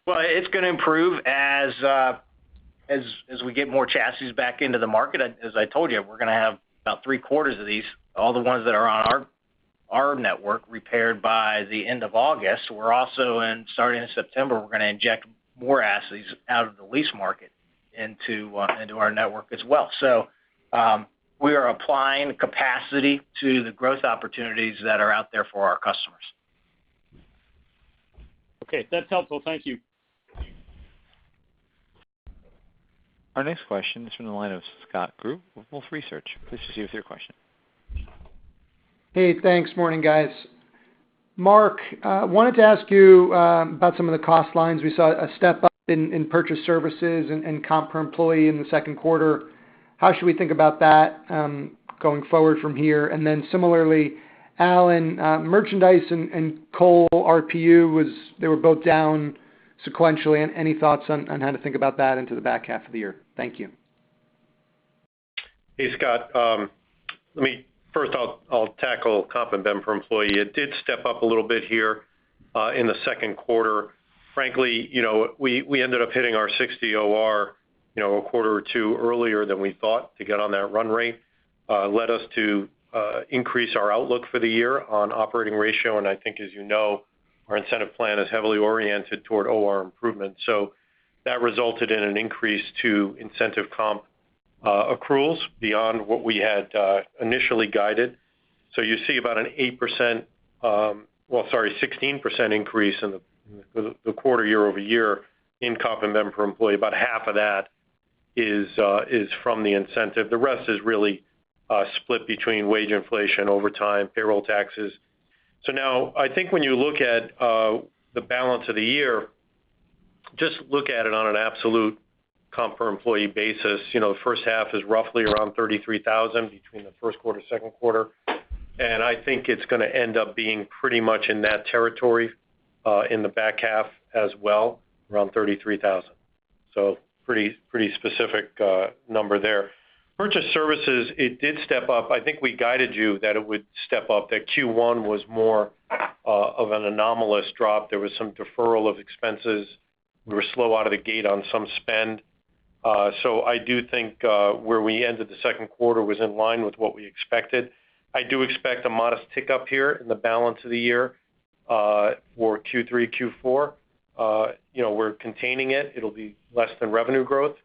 Speaker 5: Well, it's going to improve as we get more chassis back into the market. As I told you, we're going to have about three-quarters of these, all the ones that are on our network, repaired by the end of August. We're also, starting in September, we're going to inject more assets out of the lease market into our network as well. We are applying capacity to the growth opportunities that are out there for our customers.
Speaker 10: Okay. That's helpful. Thank you.
Speaker 1: Our next question is from the line of Scott Group with Wolfe Research. Please proceed with your question.
Speaker 11: Hey, thanks. Morning, guys. Mark, I wanted to ask you about some of the cost lines. We saw a step-up in purchase services and comp per employee in the second quarter. How should we think about that going forward from here? Similarly, Alan, merchandise and coal RPU, they were both down sequentially. Do you have any thoughts on how to think about that into the back half of the year? Thank you.
Speaker 6: Hey, Scott. I'll tackle comp and ben per employee. It did step up a little bit here in the second quarter. We ended up hitting our 60% OR a quarter or two earlier than we thought to get on that run rate, led us to increase our outlook for the year on operating ratio, and I think, as you know, our incentive plan is heavily oriented toward OR improvement. That resulted in an increase to incentive comp accruals beyond what we had initially guided. You see about an 8%, well, sorry, 16% increase in the quarter year-over-year in comp and ben per employee. About half of that is from the incentive. The rest is really a split between wage inflation, overtime, payroll taxes. I think when you look at the balance of the year, just look at it on an absolute comp per employee basis. The first half is roughly around $33,000 between the first quarter, second quarter, and I think it's going to end up being pretty much in that territory in the back half as well, around $33,000. Pretty specific number there. Purchase services, it did step up. I think we guided you that it would step up. That Q1 was more of an anomalous drop. There was some deferral of expenses. We were slow out of the gate on some spend. I do think where we ended the second quarter was in line with what we expected. I do expect a modest tick up here in the balance of the year for Q3, Q4. We're containing it. It'll be less than revenue growth.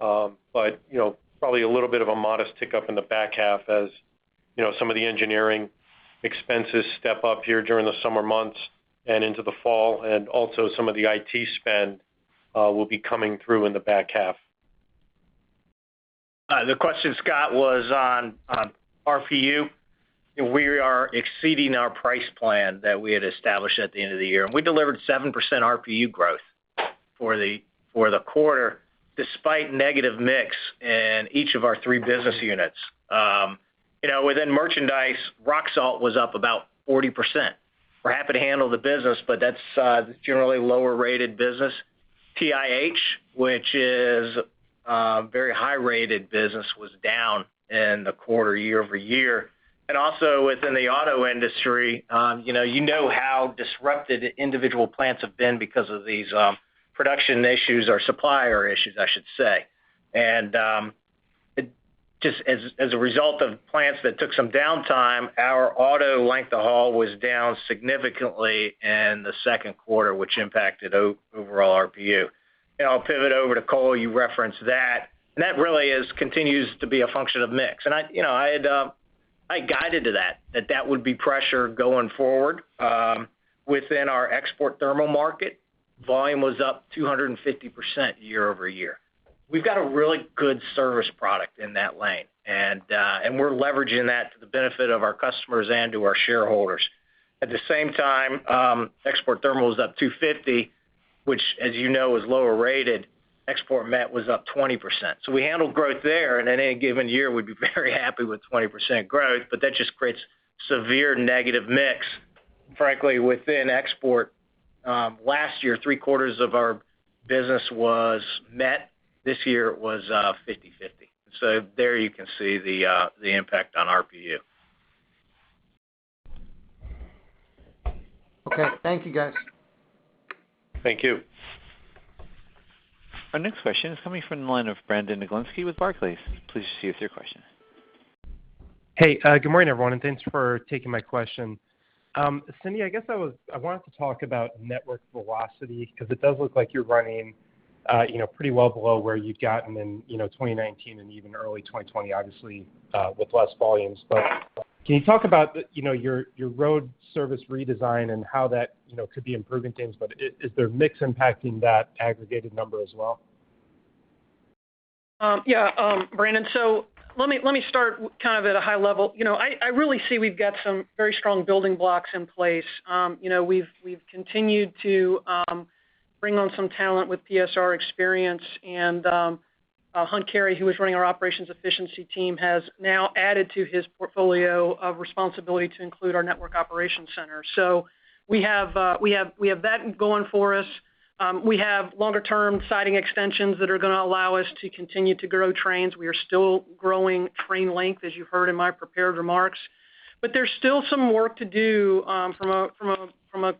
Speaker 6: Probably a little bit of a modest tick up in the back half as some of the engineering expenses step up here during the summer months and into the fall, and also some of the IT spend will be coming through in the back half.
Speaker 5: The question, Scott, was on RPU, and we are exceeding our price plan that we had established at the end of the year. We delivered 7% RPU growth for the quarter, despite negative mix in each of our three business units. Within merchandise, rock salt was up about 40%. We're happy to handle the business, but that's generally lower-rated business. TIH, which is a very high-rated business, was down in the quarter year-over-year. Also within the auto industry, you know how disrupted individual plants have been because of these production issues or supplier issues, I should say. As a result of plants that took some downtime, our auto length of haul was down significantly in the second quarter, which impacted overall RPU. I'll pivot over to coal, you referenced that, and that really continues to be a function of mix. I guided to that that would be pressure going forward. Within our export thermal market, volume was up 250% year-over-year. We've got a really good service product in that lane, and we're leveraging that to the benefit of our customers and to our shareholders. At the same time, export thermal is up 250%, which as you know is lower rated. Export met was up 20%. We handled growth there, in any given year, we'd be very happy with 20% growth, but that just creates severe negative mix. Frankly, within export, last year, three-quarters of our business was met. This year, it was 50/50. There you can see the impact on RPU.
Speaker 11: Okay. Thank you, guys.
Speaker 6: Thank you.
Speaker 1: Our next question is coming from the line of Brandon Oglenski with Barclays. Please proceed with your question.
Speaker 12: Hey, good morning, everyone, thanks for taking my question. Cindy, I guess I wanted to talk about network velocity because it does look like you're running pretty well below where you'd gotten in 2019 and even early 2020, obviously, with less volumes. Can you talk about your road service redesign and how that could be improving things, but is there mix impacting that aggregated number as well?
Speaker 4: Brandon, let me start at a high level. I really see we've got some very strong building blocks in place. We've continued to bring on some talent with PSR experience and Hunt Cary, who was running our operations efficiency team, has now added to his portfolio of responsibility to include our network operations center. We have that going for us. We have longer-term siding extensions that are going to allow us to continue to grow trains. We are still growing train length, as you heard in my prepared remarks. There's still some work to do from a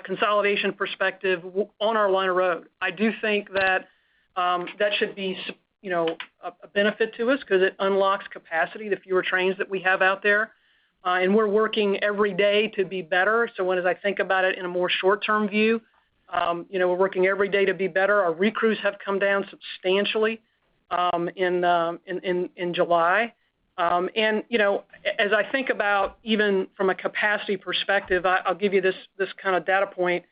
Speaker 4: consolidation perspective on our line of road. I do think that should be a benefit to us because it unlocks capacity, the fewer trains that we have out there. We're working every day to be better. When I think about it in a more short-term view, we're working every day to be better. Our recrews have come down substantially in July. As I think about even from a capacity perspective, I'll give you this kind of data point.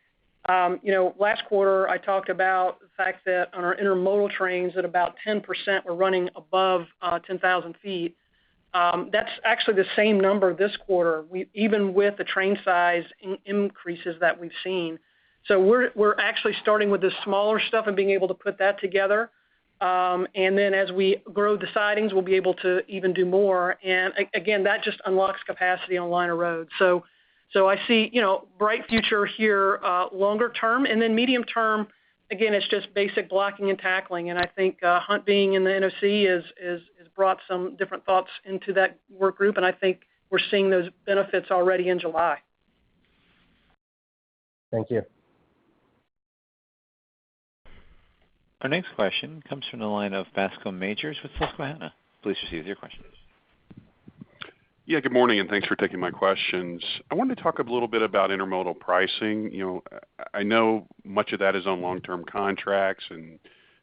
Speaker 4: Last quarter, I talked about the fact that on our intermodal trains, at about 10%, we're running above 10,000 ft. That's actually the same number this quarter, even with the train size increases that we've seen. We're actually starting with the smaller stuff and being able to put that together. Then as we grow the sidings, we'll be able to even do more. Again, that just unlocks capacity on the line of road. I see bright future here longer term. Then medium term, again, it's just basic blocking and tackling. I think Hunt being in the NOC has brought some different thoughts into that work group, and I think we're seeing those benefits already in July.
Speaker 12: Thank you.
Speaker 1: Our next question comes from the line of Bascome Majors with Susquehanna. Please proceed with your questions.
Speaker 13: Yeah, good morning, and thanks for taking my questions. I wanted to talk a little bit about intermodal pricing. I know much of that is on long-term contracts, and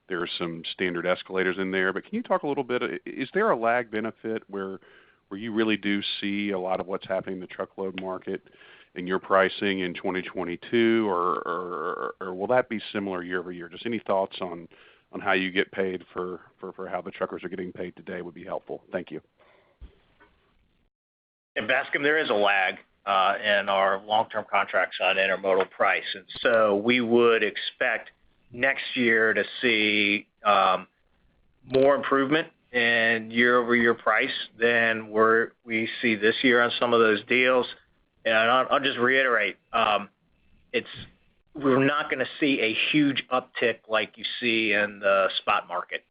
Speaker 13: there are some standard escalators in there, but can you talk a little bit, is there a lag benefit where you really do see a lot of what's happening in the truckload market in your pricing in 2022, or will that be similar year-over-year? Just any thoughts on how you get paid for how the truckers are getting paid today would be helpful. Thank you.
Speaker 5: Bascome, there is a lag in our long-term contracts on intermodal price. We would expect next year to see more improvement in year-over-year price than we see this year on some of those deals. I'll just reiterate, we're not going to see a huge uptick like you see in the spot market.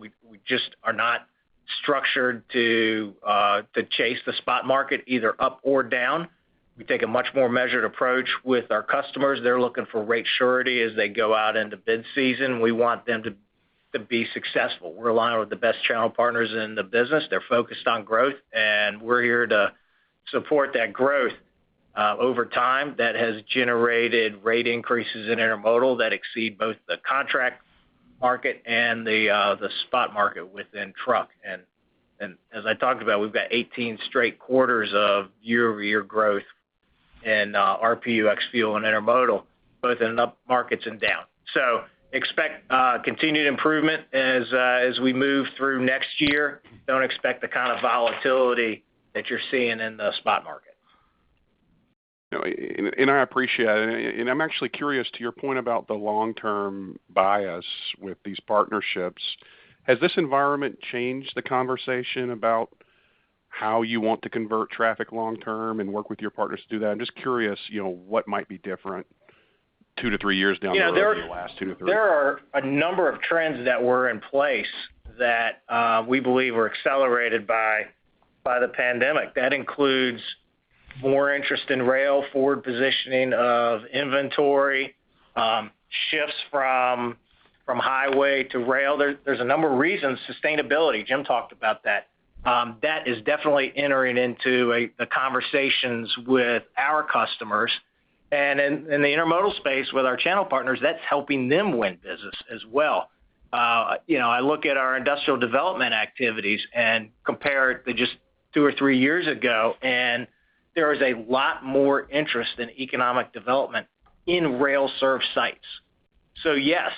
Speaker 5: We just are not structured to chase the spot market either up or down. We take a much more measured approach with our customers. They're looking for rate surety as they go out into bid season. We want them to be successful. We're aligned with the best channel partners in the business. They're focused on growth, and we're here to support that growth over time that has generated rate increases in intermodal that exceed both the contract market and the spot market within truck. As I talked about, we've got 18 straight quarters of year-over-year growth in RPU ex fuel and intermodal, both in up markets and down. Expect continued improvement as we move through next year. Don't expect the kind of volatility that you're seeing in the spot market.
Speaker 13: I appreciate it. I'm actually curious to your point about the long-term bias with these partnerships. Has this environment changed the conversation about how you want to convert traffic long term and work with your partners to do that? I'm just curious what might be different two to three years down the road than the last two to three.
Speaker 5: There are a number of trends that were in place that we believe were accelerated by the pandemic. That includes more interest in rail, forward positioning of inventory, shifts from highway to rail. There's a number of reasons. Sustainability, Jim talked about that. That is definitely entering into the conversations with our customers. In the intermodal space with our channel partners, that's helping them win business as well. I look at our industrial development activities and compare it to just two or three years ago, and there is a lot more interest in economic development in rail serve sites. Yes,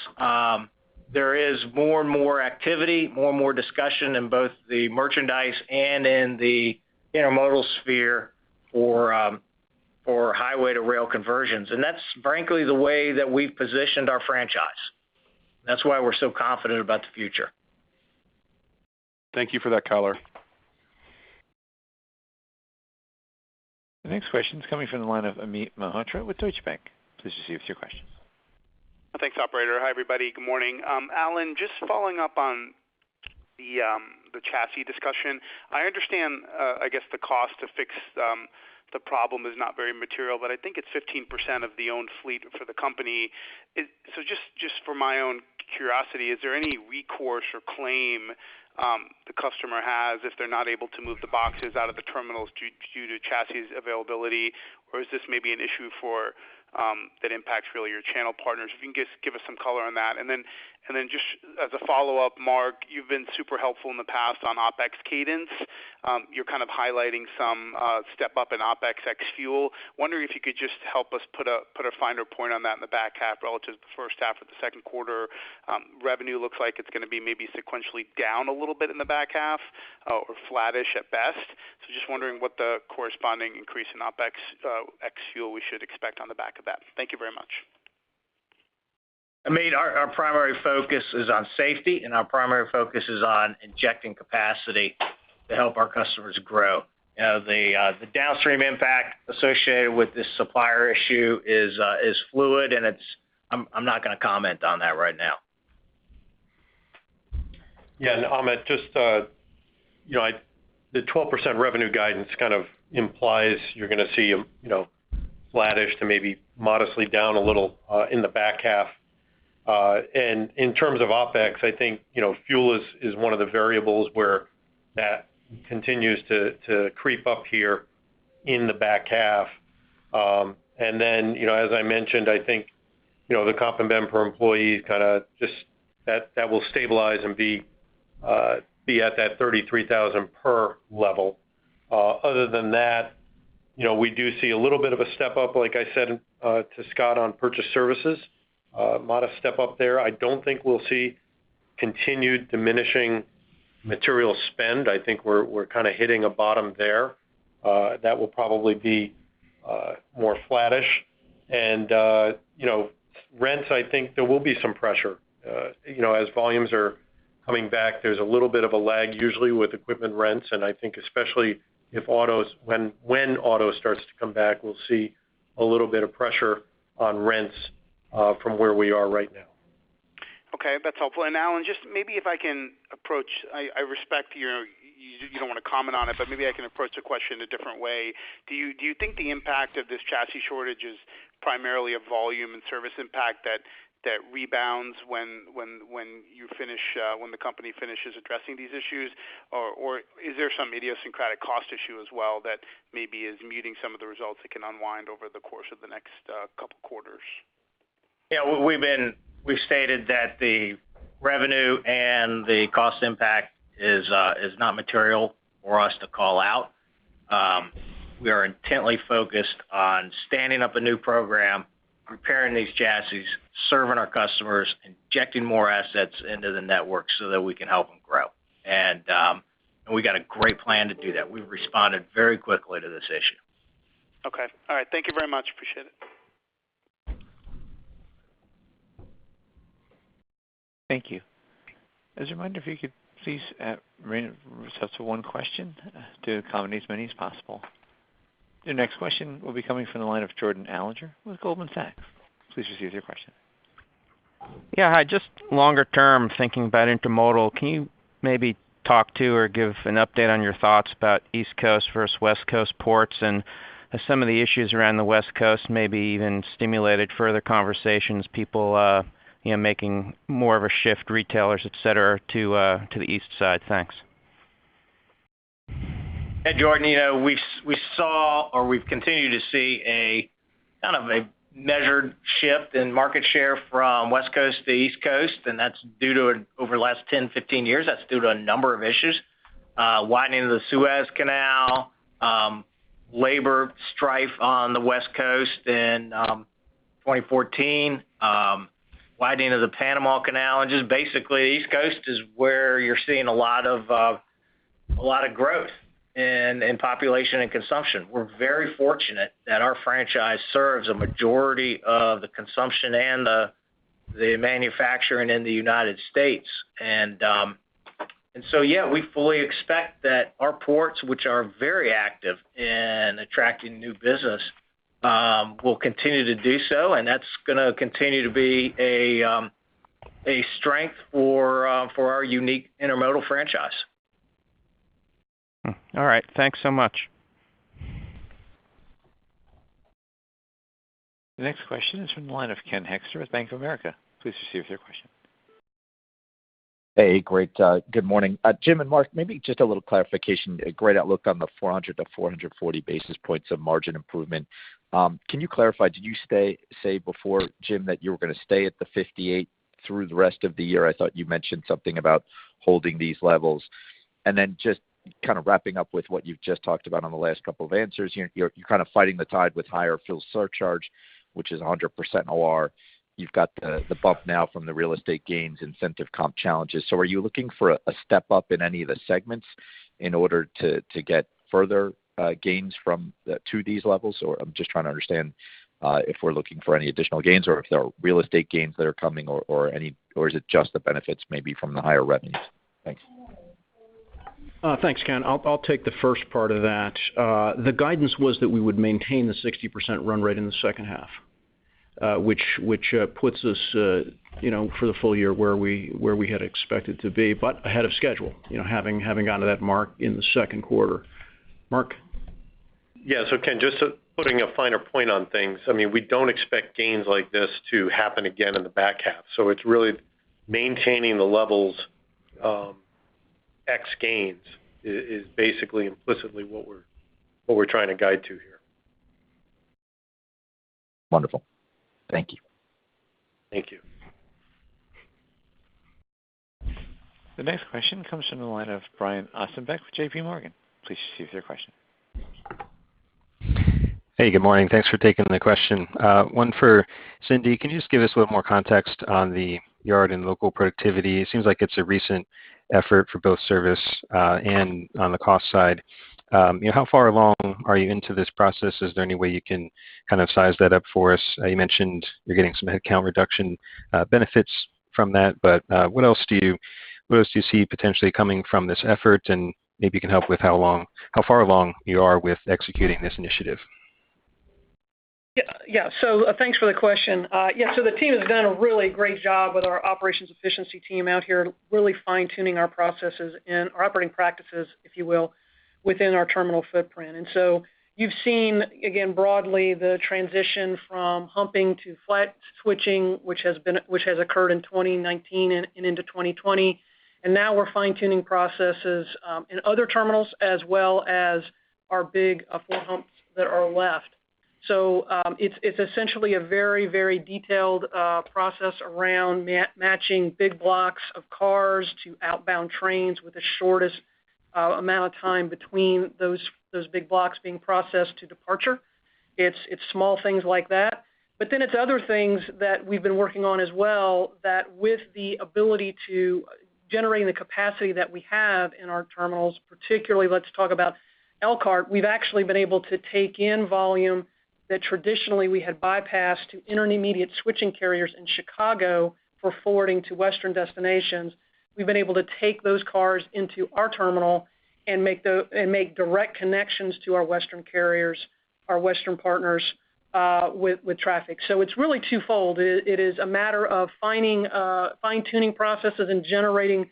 Speaker 5: there is more and more activity, more and more discussion in both the merchandise and in the intermodal sphere for highway to rail conversions. That's frankly, the way that we've positioned our franchise. That's why we're so confident about the future.
Speaker 13: Thank you for that color.
Speaker 1: The next question is coming from the line of Amit Mehrotra with Deutsche Bank. Please proceed with your questions.
Speaker 14: Thanks, operator. Hi, everybody. Good morning. Alan, just following up on the chassis discussion. I understand, I guess the cost to fix the problem is not very material, but I think it's 15% of the owned fleet for the company. Just for my own curiosity, is there any recourse or claim the customer has if they're not able to move the boxes out of the terminals due to chassis availability? Is this maybe an issue that impacts really your channel partners? If you can just give us some color on that. Just as a follow-up, Mark, you've been super helpful in the past on OpEx cadence. You're kind of highlighting some step up in OpEx ex fuel. Wondering if you could just help us put a finer point on that in the back half relative to the first half of the second quarter. Revenue looks like it's going to be maybe sequentially down a little bit in the back half or flattish at best. Just wondering what the corresponding increase in OpEx ex fuel we should expect on the back of that. Thank you very much.
Speaker 5: Amit, our primary focus is on safety, and our primary focus is on injecting capacity to help our customers grow. The downstream impact associated with this supplier issue is fluid, and I'm not going to comment on that right now.
Speaker 6: Yeah. Amit, just the 12% revenue guidance kind of implies you're going to see a flattish to maybe modestly down a little in the back half. In terms of OpEx, I think, fuel is one of the variables where that continues to creep up here in the back half. Then, as I mentioned, I think, the comp and ben per employee, that will stabilize and be at that 33,000 per level. Other than that, we do see a little bit of a step up, like I said to Scott, on purchase services. A modest step up there. I don't think we'll see continued diminishing material spend. I think we're kind of hitting a bottom there. That will probably be more flattish. Rents, I think there will be some pressure. As volumes are coming back, there's a little bit of a lag usually with equipment rents, and I think especially when autos starts to come back, we'll see a little bit of pressure on rents from where we are right now.
Speaker 14: Okay, that's helpful. Alan, just maybe if I can approach, I respect you don't want to comment on it, but maybe I can approach the question a different way. Do you think the impact of this chassis shortage is primarily a volume and service impact that rebounds when the company finishes addressing these issues? Or is there some idiosyncratic cost issue as well that maybe is muting some of the results that can unwind over the course of the next couple quarters?
Speaker 5: Yeah. We've stated that the revenue and the cost impact is not material for us to call out. We are intently focused on standing up a new program, preparing these chassis, serving our customers, injecting more assets into the network so that we can help them grow. We got a great plan to do that. We've responded very quickly to this issue.
Speaker 14: Okay. All right. Thank you very much. Appreciate it.
Speaker 1: Thank you. As a reminder, if you could please limit yourself to one question to accommodate as many as possible. Your next question will be coming from the line of Jordan Alliger with Goldman Sachs. Please proceed with your question.
Speaker 15: Yeah. Hi, just longer term, thinking about intermodal, can you maybe talk to or give an update on your thoughts about East Coast versus West Coast ports, and have some of the issues around the West Coast maybe even stimulated further conversations, people making more of a shift, retailers, et cetera, to the east side? Thanks.
Speaker 5: Hey, Jordan. We saw or we've continued to see a kind of a measured shift in market share from West Coast to East Coast. Over the last 10, 15 years, that's due to a number of issues. Widening of the Suez Canal, labor strife on the West Coast in 2014, widening of the Panama Canal. Just basically, East Coast is where you're seeing a lot of growth in population and consumption. We're very fortunate that our franchise serves a majority of the consumption and the manufacturing in the United States. Yeah, we fully expect that our ports, which are very active in attracting new business, will continue to do so. That's going to continue to be a strength for our unique intermodal franchise.
Speaker 15: All right. Thanks so much.
Speaker 1: The next question is from the line of Ken Hoexter with Bank of America. Please proceed with your question.
Speaker 16: Hey, great. Good morning. Jim and Mark, maybe just a little clarification. A great outlook on the 400 basis points-440 basis points of margin improvement. Can you clarify, did you say before, Jim, that you were going to stay at the 58% through the rest of the year? I thought you mentioned something about holding these levels. Then just kind of wrapping up with what you've just talked about on the last couple of answers, you're kind of fighting the tide with higher fuel surcharge, which is 100% OR. You've got the bump now from the real estate gains incentive comp challenges. Are you looking for a step up in any of the segments in order to get further gains to these levels, or I'm just trying to understand if we're looking for any additional gains or if there are real estate gains that are coming, or is it just the benefits maybe from the higher revenues? Thanks.
Speaker 3: Thanks, Ken. I'll take the first part of that. The guidance was that we would maintain the 60% run rate in the second half, which puts us for the full year where we had expected to be, but ahead of schedule, having gotten to that mark in the second quarter. Mark?
Speaker 6: Ken, just putting a finer point on things, we don't expect gains like this to happen again in the back half. It's really maintaining the levels ex gains is basically implicitly what we're trying to guide to here.
Speaker 16: Wonderful. Thank you.
Speaker 6: Thank you.
Speaker 1: The next question comes from the line of Brian Ossenbeck with JPMorgan. Please proceed with your question.
Speaker 17: Hey, good morning. Thanks for taking the question. One for Cindy, can you just give us a little more context on the yard and local productivity? It seems like it's a recent effort for both service, and on the cost side. How far along are you into this process? Is there any way you can size that up for us? You mentioned you're getting some headcount reduction benefits from that, but what else do you see potentially coming from this effort? Maybe you can help with how far along you are with executing this initiative.
Speaker 4: Yeah. Thanks for the question. Yeah, the team has done a really great job with our operations efficiency team out here, really fine-tuning our processes and our operating practices, if you will, within our terminal footprint. You've seen, again, broadly, the transition from humping to flat switching, which has occurred in 2019 and into 2020. Now we're fine-tuning processes in other terminals as well as our big four humps that are left. It's essentially a very detailed process around matching big blocks of cars to outbound trains with the shortest amount of time between those big blocks being processed to departure. It's small things like that. It's other things that we've been working on as well, that with the ability to generating the capacity that we have in our terminals, particularly let's talk about Elkhart, we've actually been able to take in volume that traditionally we had bypassed to intermediate switching carriers in Chicago for forwarding to Western destinations. We've been able to take those cars into our terminal and make direct connections to our Western carriers, our Western partners with traffic. It's really twofold. It is a matter of fine-tuning processes and generating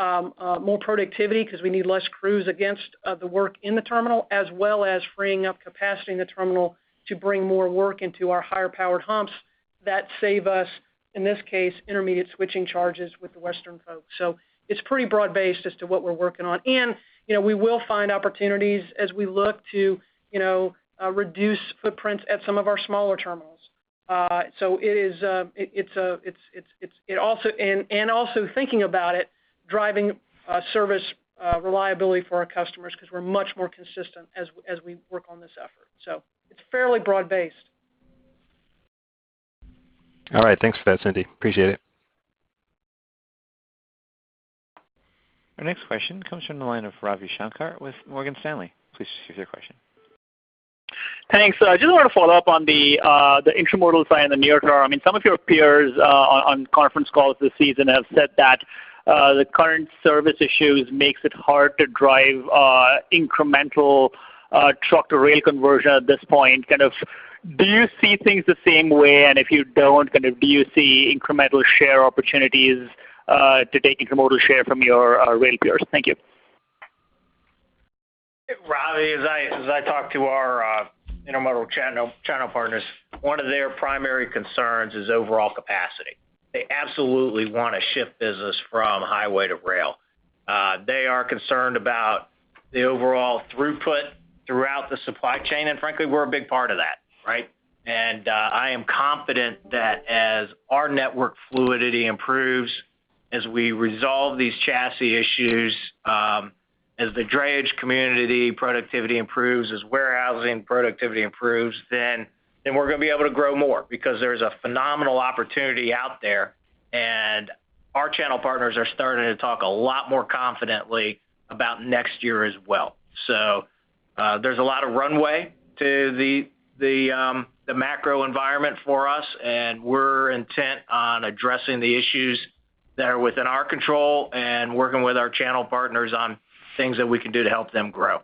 Speaker 4: more productivity because we need less crews against the work in the terminal, as well as freeing up capacity in the terminal to bring more work into our higher powered humps that save us, in this case, intermediate switching charges with the Western folks. It's pretty broad-based as to what we're working on. We will find opportunities as we look to reduce footprints at some of our smaller terminals. Also thinking about it, driving service reliability for our customers because we're much more consistent as we work on this effort. It's fairly broad-based.
Speaker 17: All right. Thanks for that, Cindy. Appreciate it.
Speaker 1: Our next question comes from the line of Ravi Shanker with Morgan Stanley. Please proceed with your question.
Speaker 18: Thanks. I just want to follow up on the intermodal side in the near term. Some of your peers, on conference calls this season, have said that the current service issues makes it hard to drive incremental truck-to-rail conversion at this point. Do you see things the same way? If you don't, do you see incremental share opportunities to take intermodal share from your rail peers? Thank you.
Speaker 5: Hey, Ravi, as I talk to our intermodal channel partners, one of their primary concerns is overall capacity. They absolutely want to shift business from highway to rail. They are concerned about the overall throughput throughout the supply chain, and frankly, we're a big part of that. Right? I am confident that as our network fluidity improves, as we resolve these chassis issues, as the drayage community productivity improves, as warehousing productivity improves, then we're going to be able to grow more because there's a phenomenal opportunity out there, and our channel partners are starting to talk a lot more confidently about next year as well. There's a lot of runway to the macro environment for us, and we're intent on addressing the issues that are within our control and working with our channel partners on things that we can do to help them grow.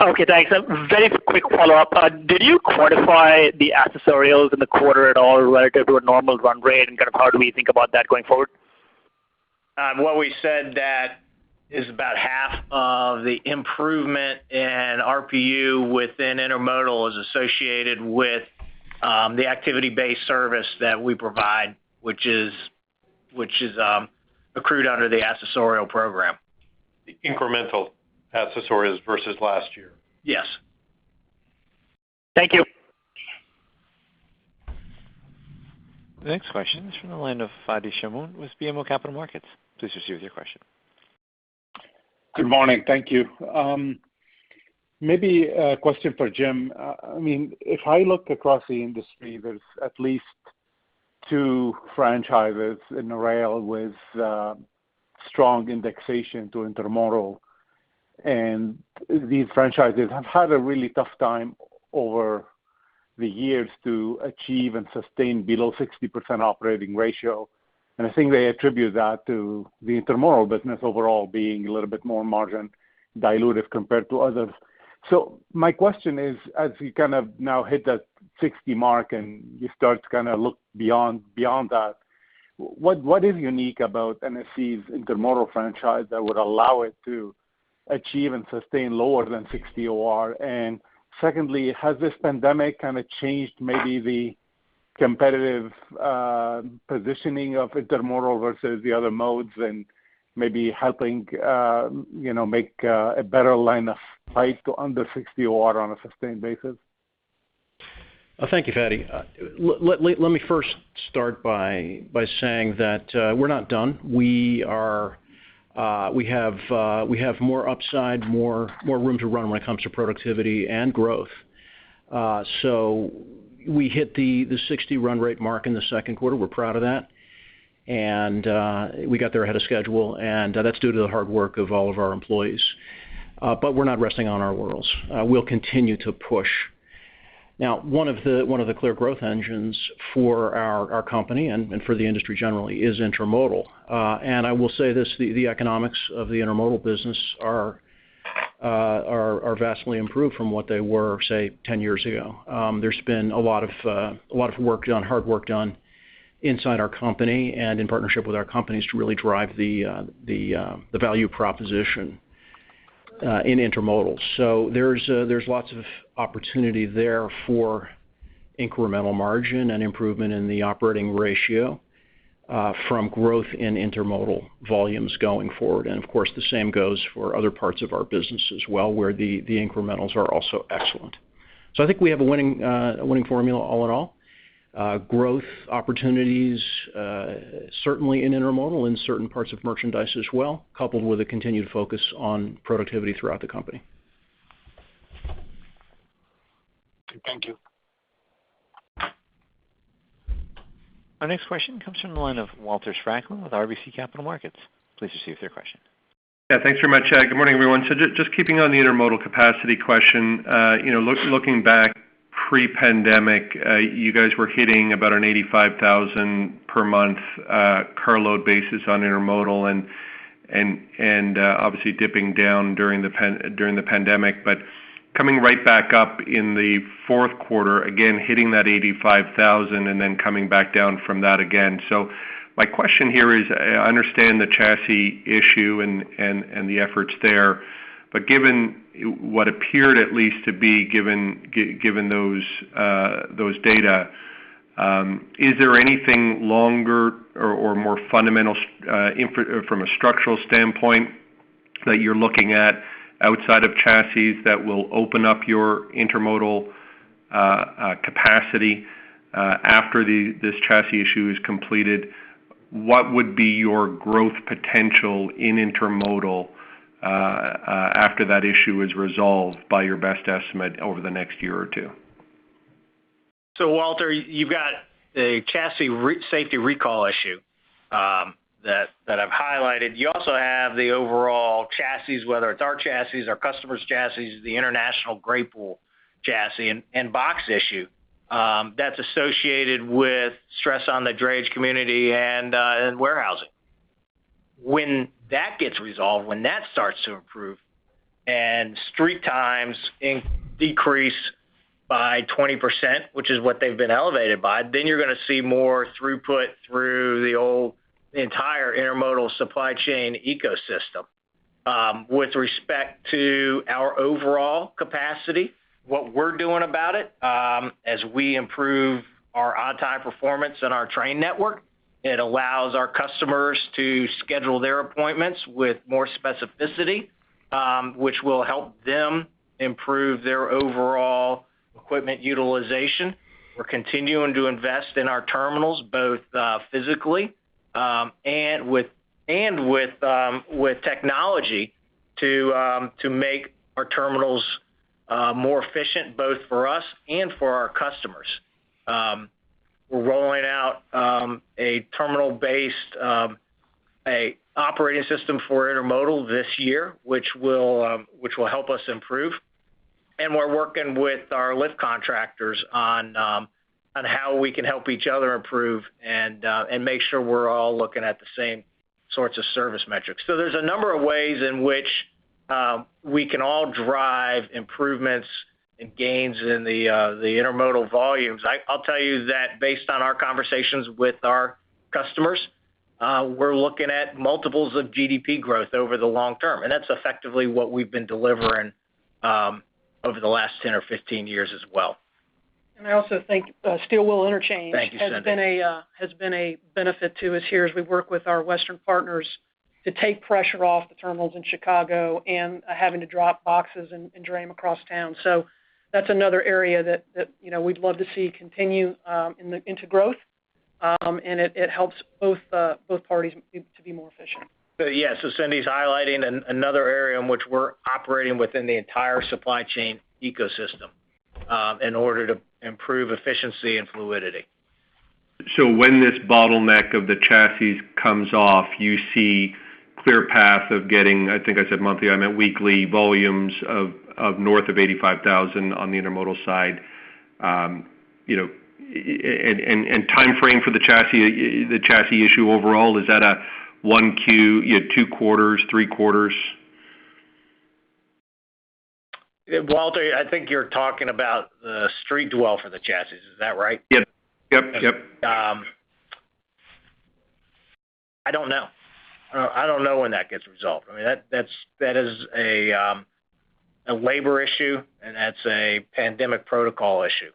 Speaker 18: Okay. Thanks. Very quick follow-up. Did you quantify the accessorials in the quarter at all relative to a normal run rate? How do we think about that going forward?
Speaker 5: What we said that is about half of the improvement in RPU within intermodal is associated with the activity-based service that we provide, which is accrued under the accessorial program.
Speaker 6: Incremental accessorials versus last year.
Speaker 5: Yes.
Speaker 18: Thank you.
Speaker 1: The next question is from the line of Fadi Chamoun with BMO Capital Markets. Please proceed with your question.
Speaker 19: Good morning. Thank you. Maybe a question for Jim. If I look across the industry, there's at least two franchises in the rail with strong indexation to intermodal, and these franchises have had a really tough time over the years to achieve and sustain below 60% operating ratio. I think they attribute that to the intermodal business overall being a little bit more margin dilutive compared to others. My question is: as we now hit that 60% mark and you start to look beyond that, what is unique about NSC's intermodal franchise that would allow it to achieve and sustain lower than 60% OR? Secondly, has this pandemic changed maybe the competitive positioning of intermodal versus the other modes and maybe helping make a better line of sight to under 60% OR on a sustained basis?
Speaker 3: Thank you, Fadi. Let me first start by saying that we're not done. We have more upside, more room to run when it comes to productivity and growth. We hit the 60% run rate mark in the second quarter. We're proud of that. We got there ahead of schedule, and that's due to the hard work of all of our employees. We're not resting on our laurels. We'll continue to push. One of the clear growth engines for our company and for the industry generally is intermodal. I will say this, the economics of the intermodal business are vastly improved from what they were, say, 10 years ago. There's been a lot of hard work done inside our company and in partnership with our companies to really drive the value proposition in intermodal. There's lots of opportunity there for incremental margin and improvement in the operating ratio from growth in intermodal volumes going forward. Of course, the same goes for other parts of our business as well, where the incrementals are also excellent. I think we have a winning formula all in all. Growth opportunities, certainly in intermodal, in certain parts of merchandise as well, coupled with a continued focus on productivity throughout the company.
Speaker 19: Thank you.
Speaker 1: Our next question comes from the line of Walter Spracklin with RBC Capital Markets. Please proceed with your question.
Speaker 20: Yeah. Thanks very much. Good morning, everyone. Just keeping on the intermodal capacity question. Looking back pre-pandemic, you guys were hitting about an 85,000 per month carload basis on intermodal and obviously dipping down during the pandemic, but coming right back up in the fourth quarter, again, hitting that 85,000 and then coming back down from that again. My question here is, I understand the chassis issue and the efforts there, but given what appeared at least to be, given those data, is there anything longer or more fundamental from a structural standpoint that you're looking at outside of chassis that will open up your intermodal capacity after this chassis issue is completed? What would be your growth potential in intermodal after that issue is resolved by your best estimate over the next year or two?
Speaker 5: Walter, you've got a chassis safety recall issue that I've highlighted. You also have the overall chassis, whether it's our chassis, our customer's chassis, the international gray pool chassis, and box issue that's associated with stress on the drayage community and warehousing. When that gets resolved, when that starts to improve and street times decrease by 20%, which is what they've been elevated by, then you're going to see more throughput through the entire intermodal supply chain ecosystem. With respect to our overall capacity, what we're doing about it, as we improve our on-time performance in our train network, it allows our customers to schedule their appointments with more specificity, which will help them improve their overall equipment utilization. We're continuing to invest in our terminals, both physically and with technology to make our terminals more efficient, both for us and for our customers. We're rolling out a terminal-based operating system for intermodal this year, which will help us improve. We're working with our lift contractors on how we can help each other improve and make sure we're all looking at the same sorts of service metrics. There's a number of ways in which we can all drive improvements and gains in the intermodal volumes. I'll tell you that based on our conversations with our customers, we're looking at multiples of GDP growth over the long term, and that's effectively what we've been delivering over the last 10 or 15 years as well.
Speaker 4: I also think steel wheel interchange.
Speaker 5: Thank you, Cindy.
Speaker 4: has been a benefit to us here as we work with our western partners to take pressure off the terminals in Chicago and having to drop boxes and dray them across town. That's another area that we'd love to see continue into growth. It helps both parties to be more efficient.
Speaker 5: Yeah. Cindy's highlighting another area in which we're operating within the entire supply chain ecosystem in order to improve efficiency and fluidity.
Speaker 20: When this bottleneck of the chassis comes off, you see clear path of getting, I think I said monthly, I meant weekly, volumes of north of 85,000 on the intermodal side. Timeframe for the chassis issue overall, is that a 1Q, two quarters, three quarters?
Speaker 5: Walter, I think you're talking about the street dwell for the chassis. Is that right?
Speaker 20: Yep.
Speaker 5: I don't know. I don't know when that gets resolved. That is a labor issue, and that's a pandemic protocol issue.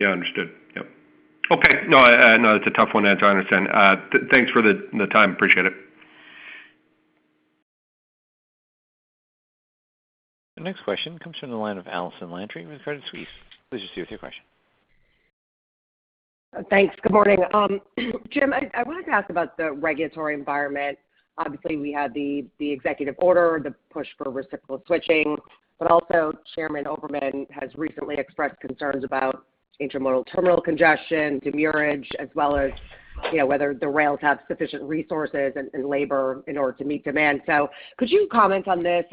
Speaker 20: Yeah. Understood. Yep. Okay. No, it's a tough one. I understand. Thanks for the time. Appreciate it.
Speaker 1: The next question comes from the line of Allison Landry with Credit Suisse. Please proceed with your question.
Speaker 21: Thanks. Good morning. Jim, I wanted to ask about the regulatory environment. Obviously, we had the executive order, the push for reciprocal switching, but also Chairman Oberman has recently expressed concerns about intermodal terminal congestion, demurrage, as well as whether the rails have sufficient resources and labor in order to meet demand. Could you comment on this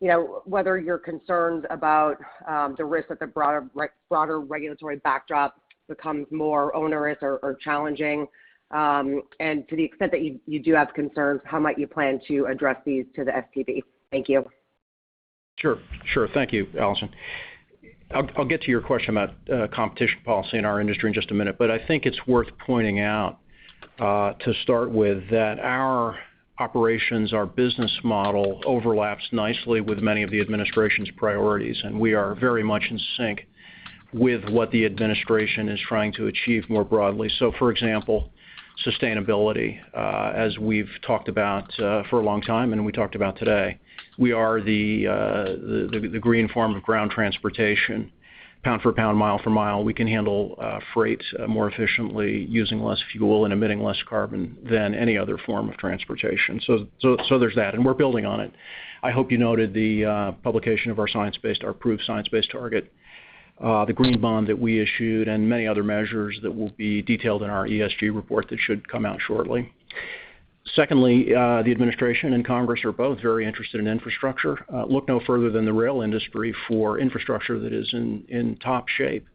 Speaker 21: and whether you're concerned about the risk that the broader regulatory backdrop becomes more onerous or challenging? To the extent that you do have concerns, how might you plan to address these to the STB? Thank you.
Speaker 3: Sure. Thank you, Allison. I'll get to your question about competition policy in our industry in just a minute. I think it's worth pointing out, to start with, that our operations, our business model overlaps nicely with many of the administration's priorities, and we are very much in sync with what the administration is trying to achieve more broadly. For example, sustainability, as we've talked about for a long time and we talked about today. We are the green form of ground transportation, pound for pound, mile for mile. We can handle freight more efficiently using less fuel and emitting less carbon than any other form of transportation. There's that, and we're building on it. I hope you noted the publication of our approved science-based target, the green bond that we issued, and many other measures that will be detailed in our ESG report that should come out shortly. Secondly, the administration and Congress are both very interested in infrastructure. Look no further than the rail industry for infrastructure that is in top shape.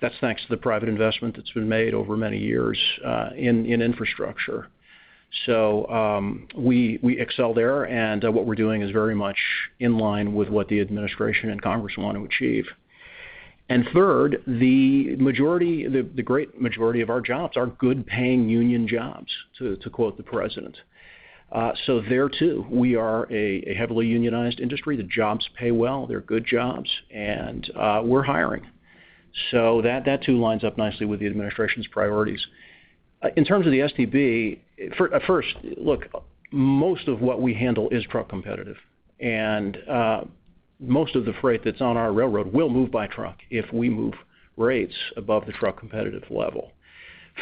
Speaker 3: That's thanks to the private investment that's been made over many years in infrastructure. We excel there, and what we're doing is very much in line with what the administration and Congress want to achieve. Third, the great majority of our jobs are good-paying union jobs, to quote the president. There, too, we are a heavily unionized industry. The jobs pay well. They're good jobs, and we're hiring. That too lines up nicely with the administration's priorities. In terms of the STB, first, most of what we handle is truck competitive. Most of the freight that's on our railroad will move by truck if we move rates above the truck competitive level.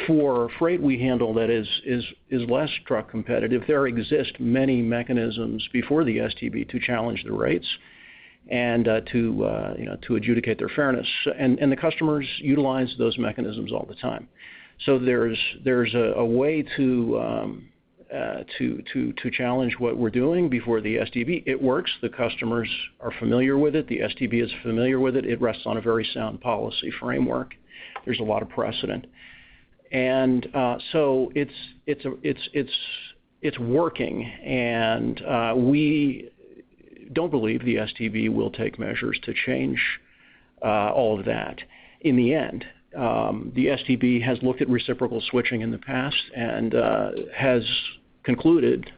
Speaker 3: For freight we handle that is less truck competitive, there exist many mechanisms before the STB to challenge the rates and to adjudicate their fairness. The customers utilize those mechanisms all the time. There's a way to challenge what we're doing before the STB. It works. The customers are familiar with it. The STB is familiar with it. It rests on a very sound policy framework. There's a lot of precedent. It's working, and we don't believe the STB will take measures to change all of that in the end. The STB has looked at reciprocal switching in the past and has concluded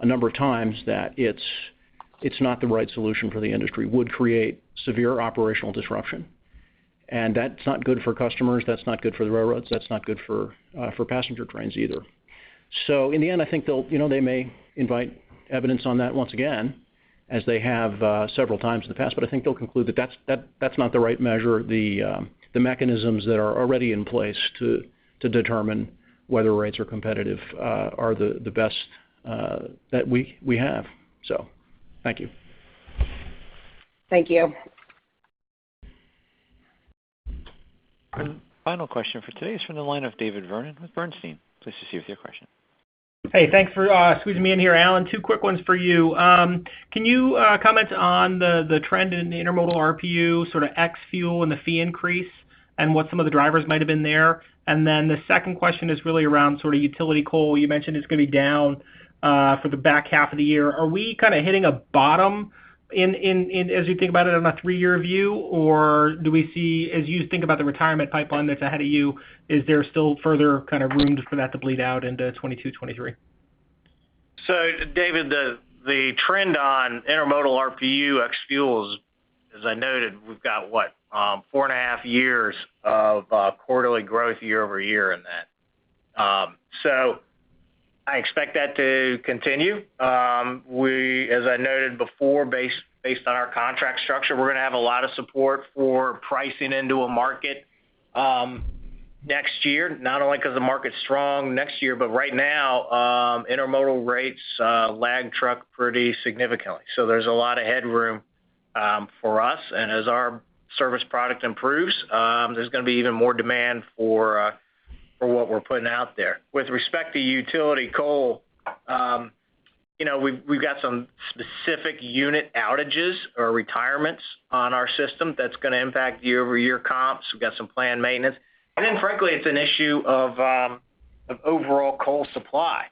Speaker 3: a number of times that it's not the right solution for the industry. Would create severe operational disruption, and that's not good for customers. That's not good for the railroads. That's not good for passenger trains either. In the end, I think they may invite evidence on that once again as they have several times in the past, but I think they'll conclude that that's not the right measure. The mechanisms that are already in place to determine whether rates are competitive are the best that we have. Thank you.
Speaker 21: Thank you.
Speaker 1: Our final question for today is from the line of David Vernon with Bernstein. Please proceed with your question.
Speaker 22: Hey, thanks for squeezing me in here, Alan. Two quick ones for you. Can you comment on the trend in the intermodal RPU, sort of ex fuel and the fee increase, and what some of the drivers might have been there? The second question is really around sort of utility coal. You mentioned it's going to be down for the back half of the year. Are we kind of hitting a bottom as you think about it on a three-year view, or do we see, as you think about the retirement pipeline that's ahead of you, is there still further kind of room for that to bleed out into 2022, 2023?
Speaker 5: David, the trend on intermodal RPU ex fuels, as I noted, we've got what? Four and a half years of quarterly growth year-over-year in that. I expect that to continue. As I noted before, based on our contract structure, we're going to have a lot of support for pricing into a market next year, not only because the market's strong next year, but right now, intermodal rates lag truck pretty significantly. There's a lot of headroom for us, and as our service product improves, there's going to be even more demand for what we're putting out there. With respect to utility coal, we've got some specific unit outages or retirements on our system that's going to impact year-over-year comps. We've got some planned maintenance. Frankly, it's an issue of overall coal supply.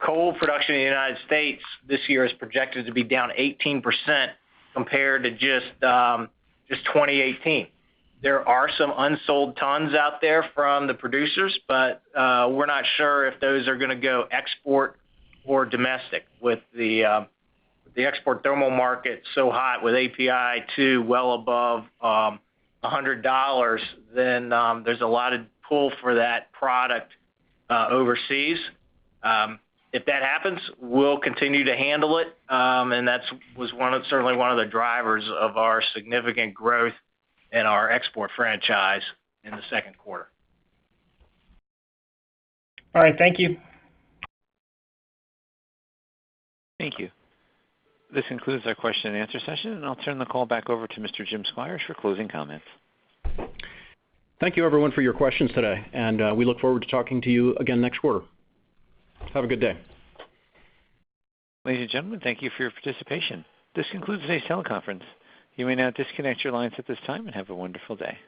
Speaker 5: Coal production in the United States this year is projected to be down 18% compared to just 2018. There are some unsold tons out there from the producers, but we're not sure if those are going to go export or domestic. With the export thermal market so hot with API2 well above $100, there's a lot of pull for that product overseas. If that happens, we'll continue to handle it, and that was certainly one of the drivers of our significant growth in our export franchise in the second quarter.
Speaker 22: All right. Thank you.
Speaker 1: Thank you. This concludes our question and answer session. I'll turn the call back over to Mr. Jim Squires for closing comments.
Speaker 3: Thank you everyone for your questions today, and we look forward to talking to you again next quarter. Have a good day.
Speaker 1: Ladies and gentlemen, thank you for your participation. This concludes today's teleconference. You may now disconnect your lines at this time, and have a wonderful day.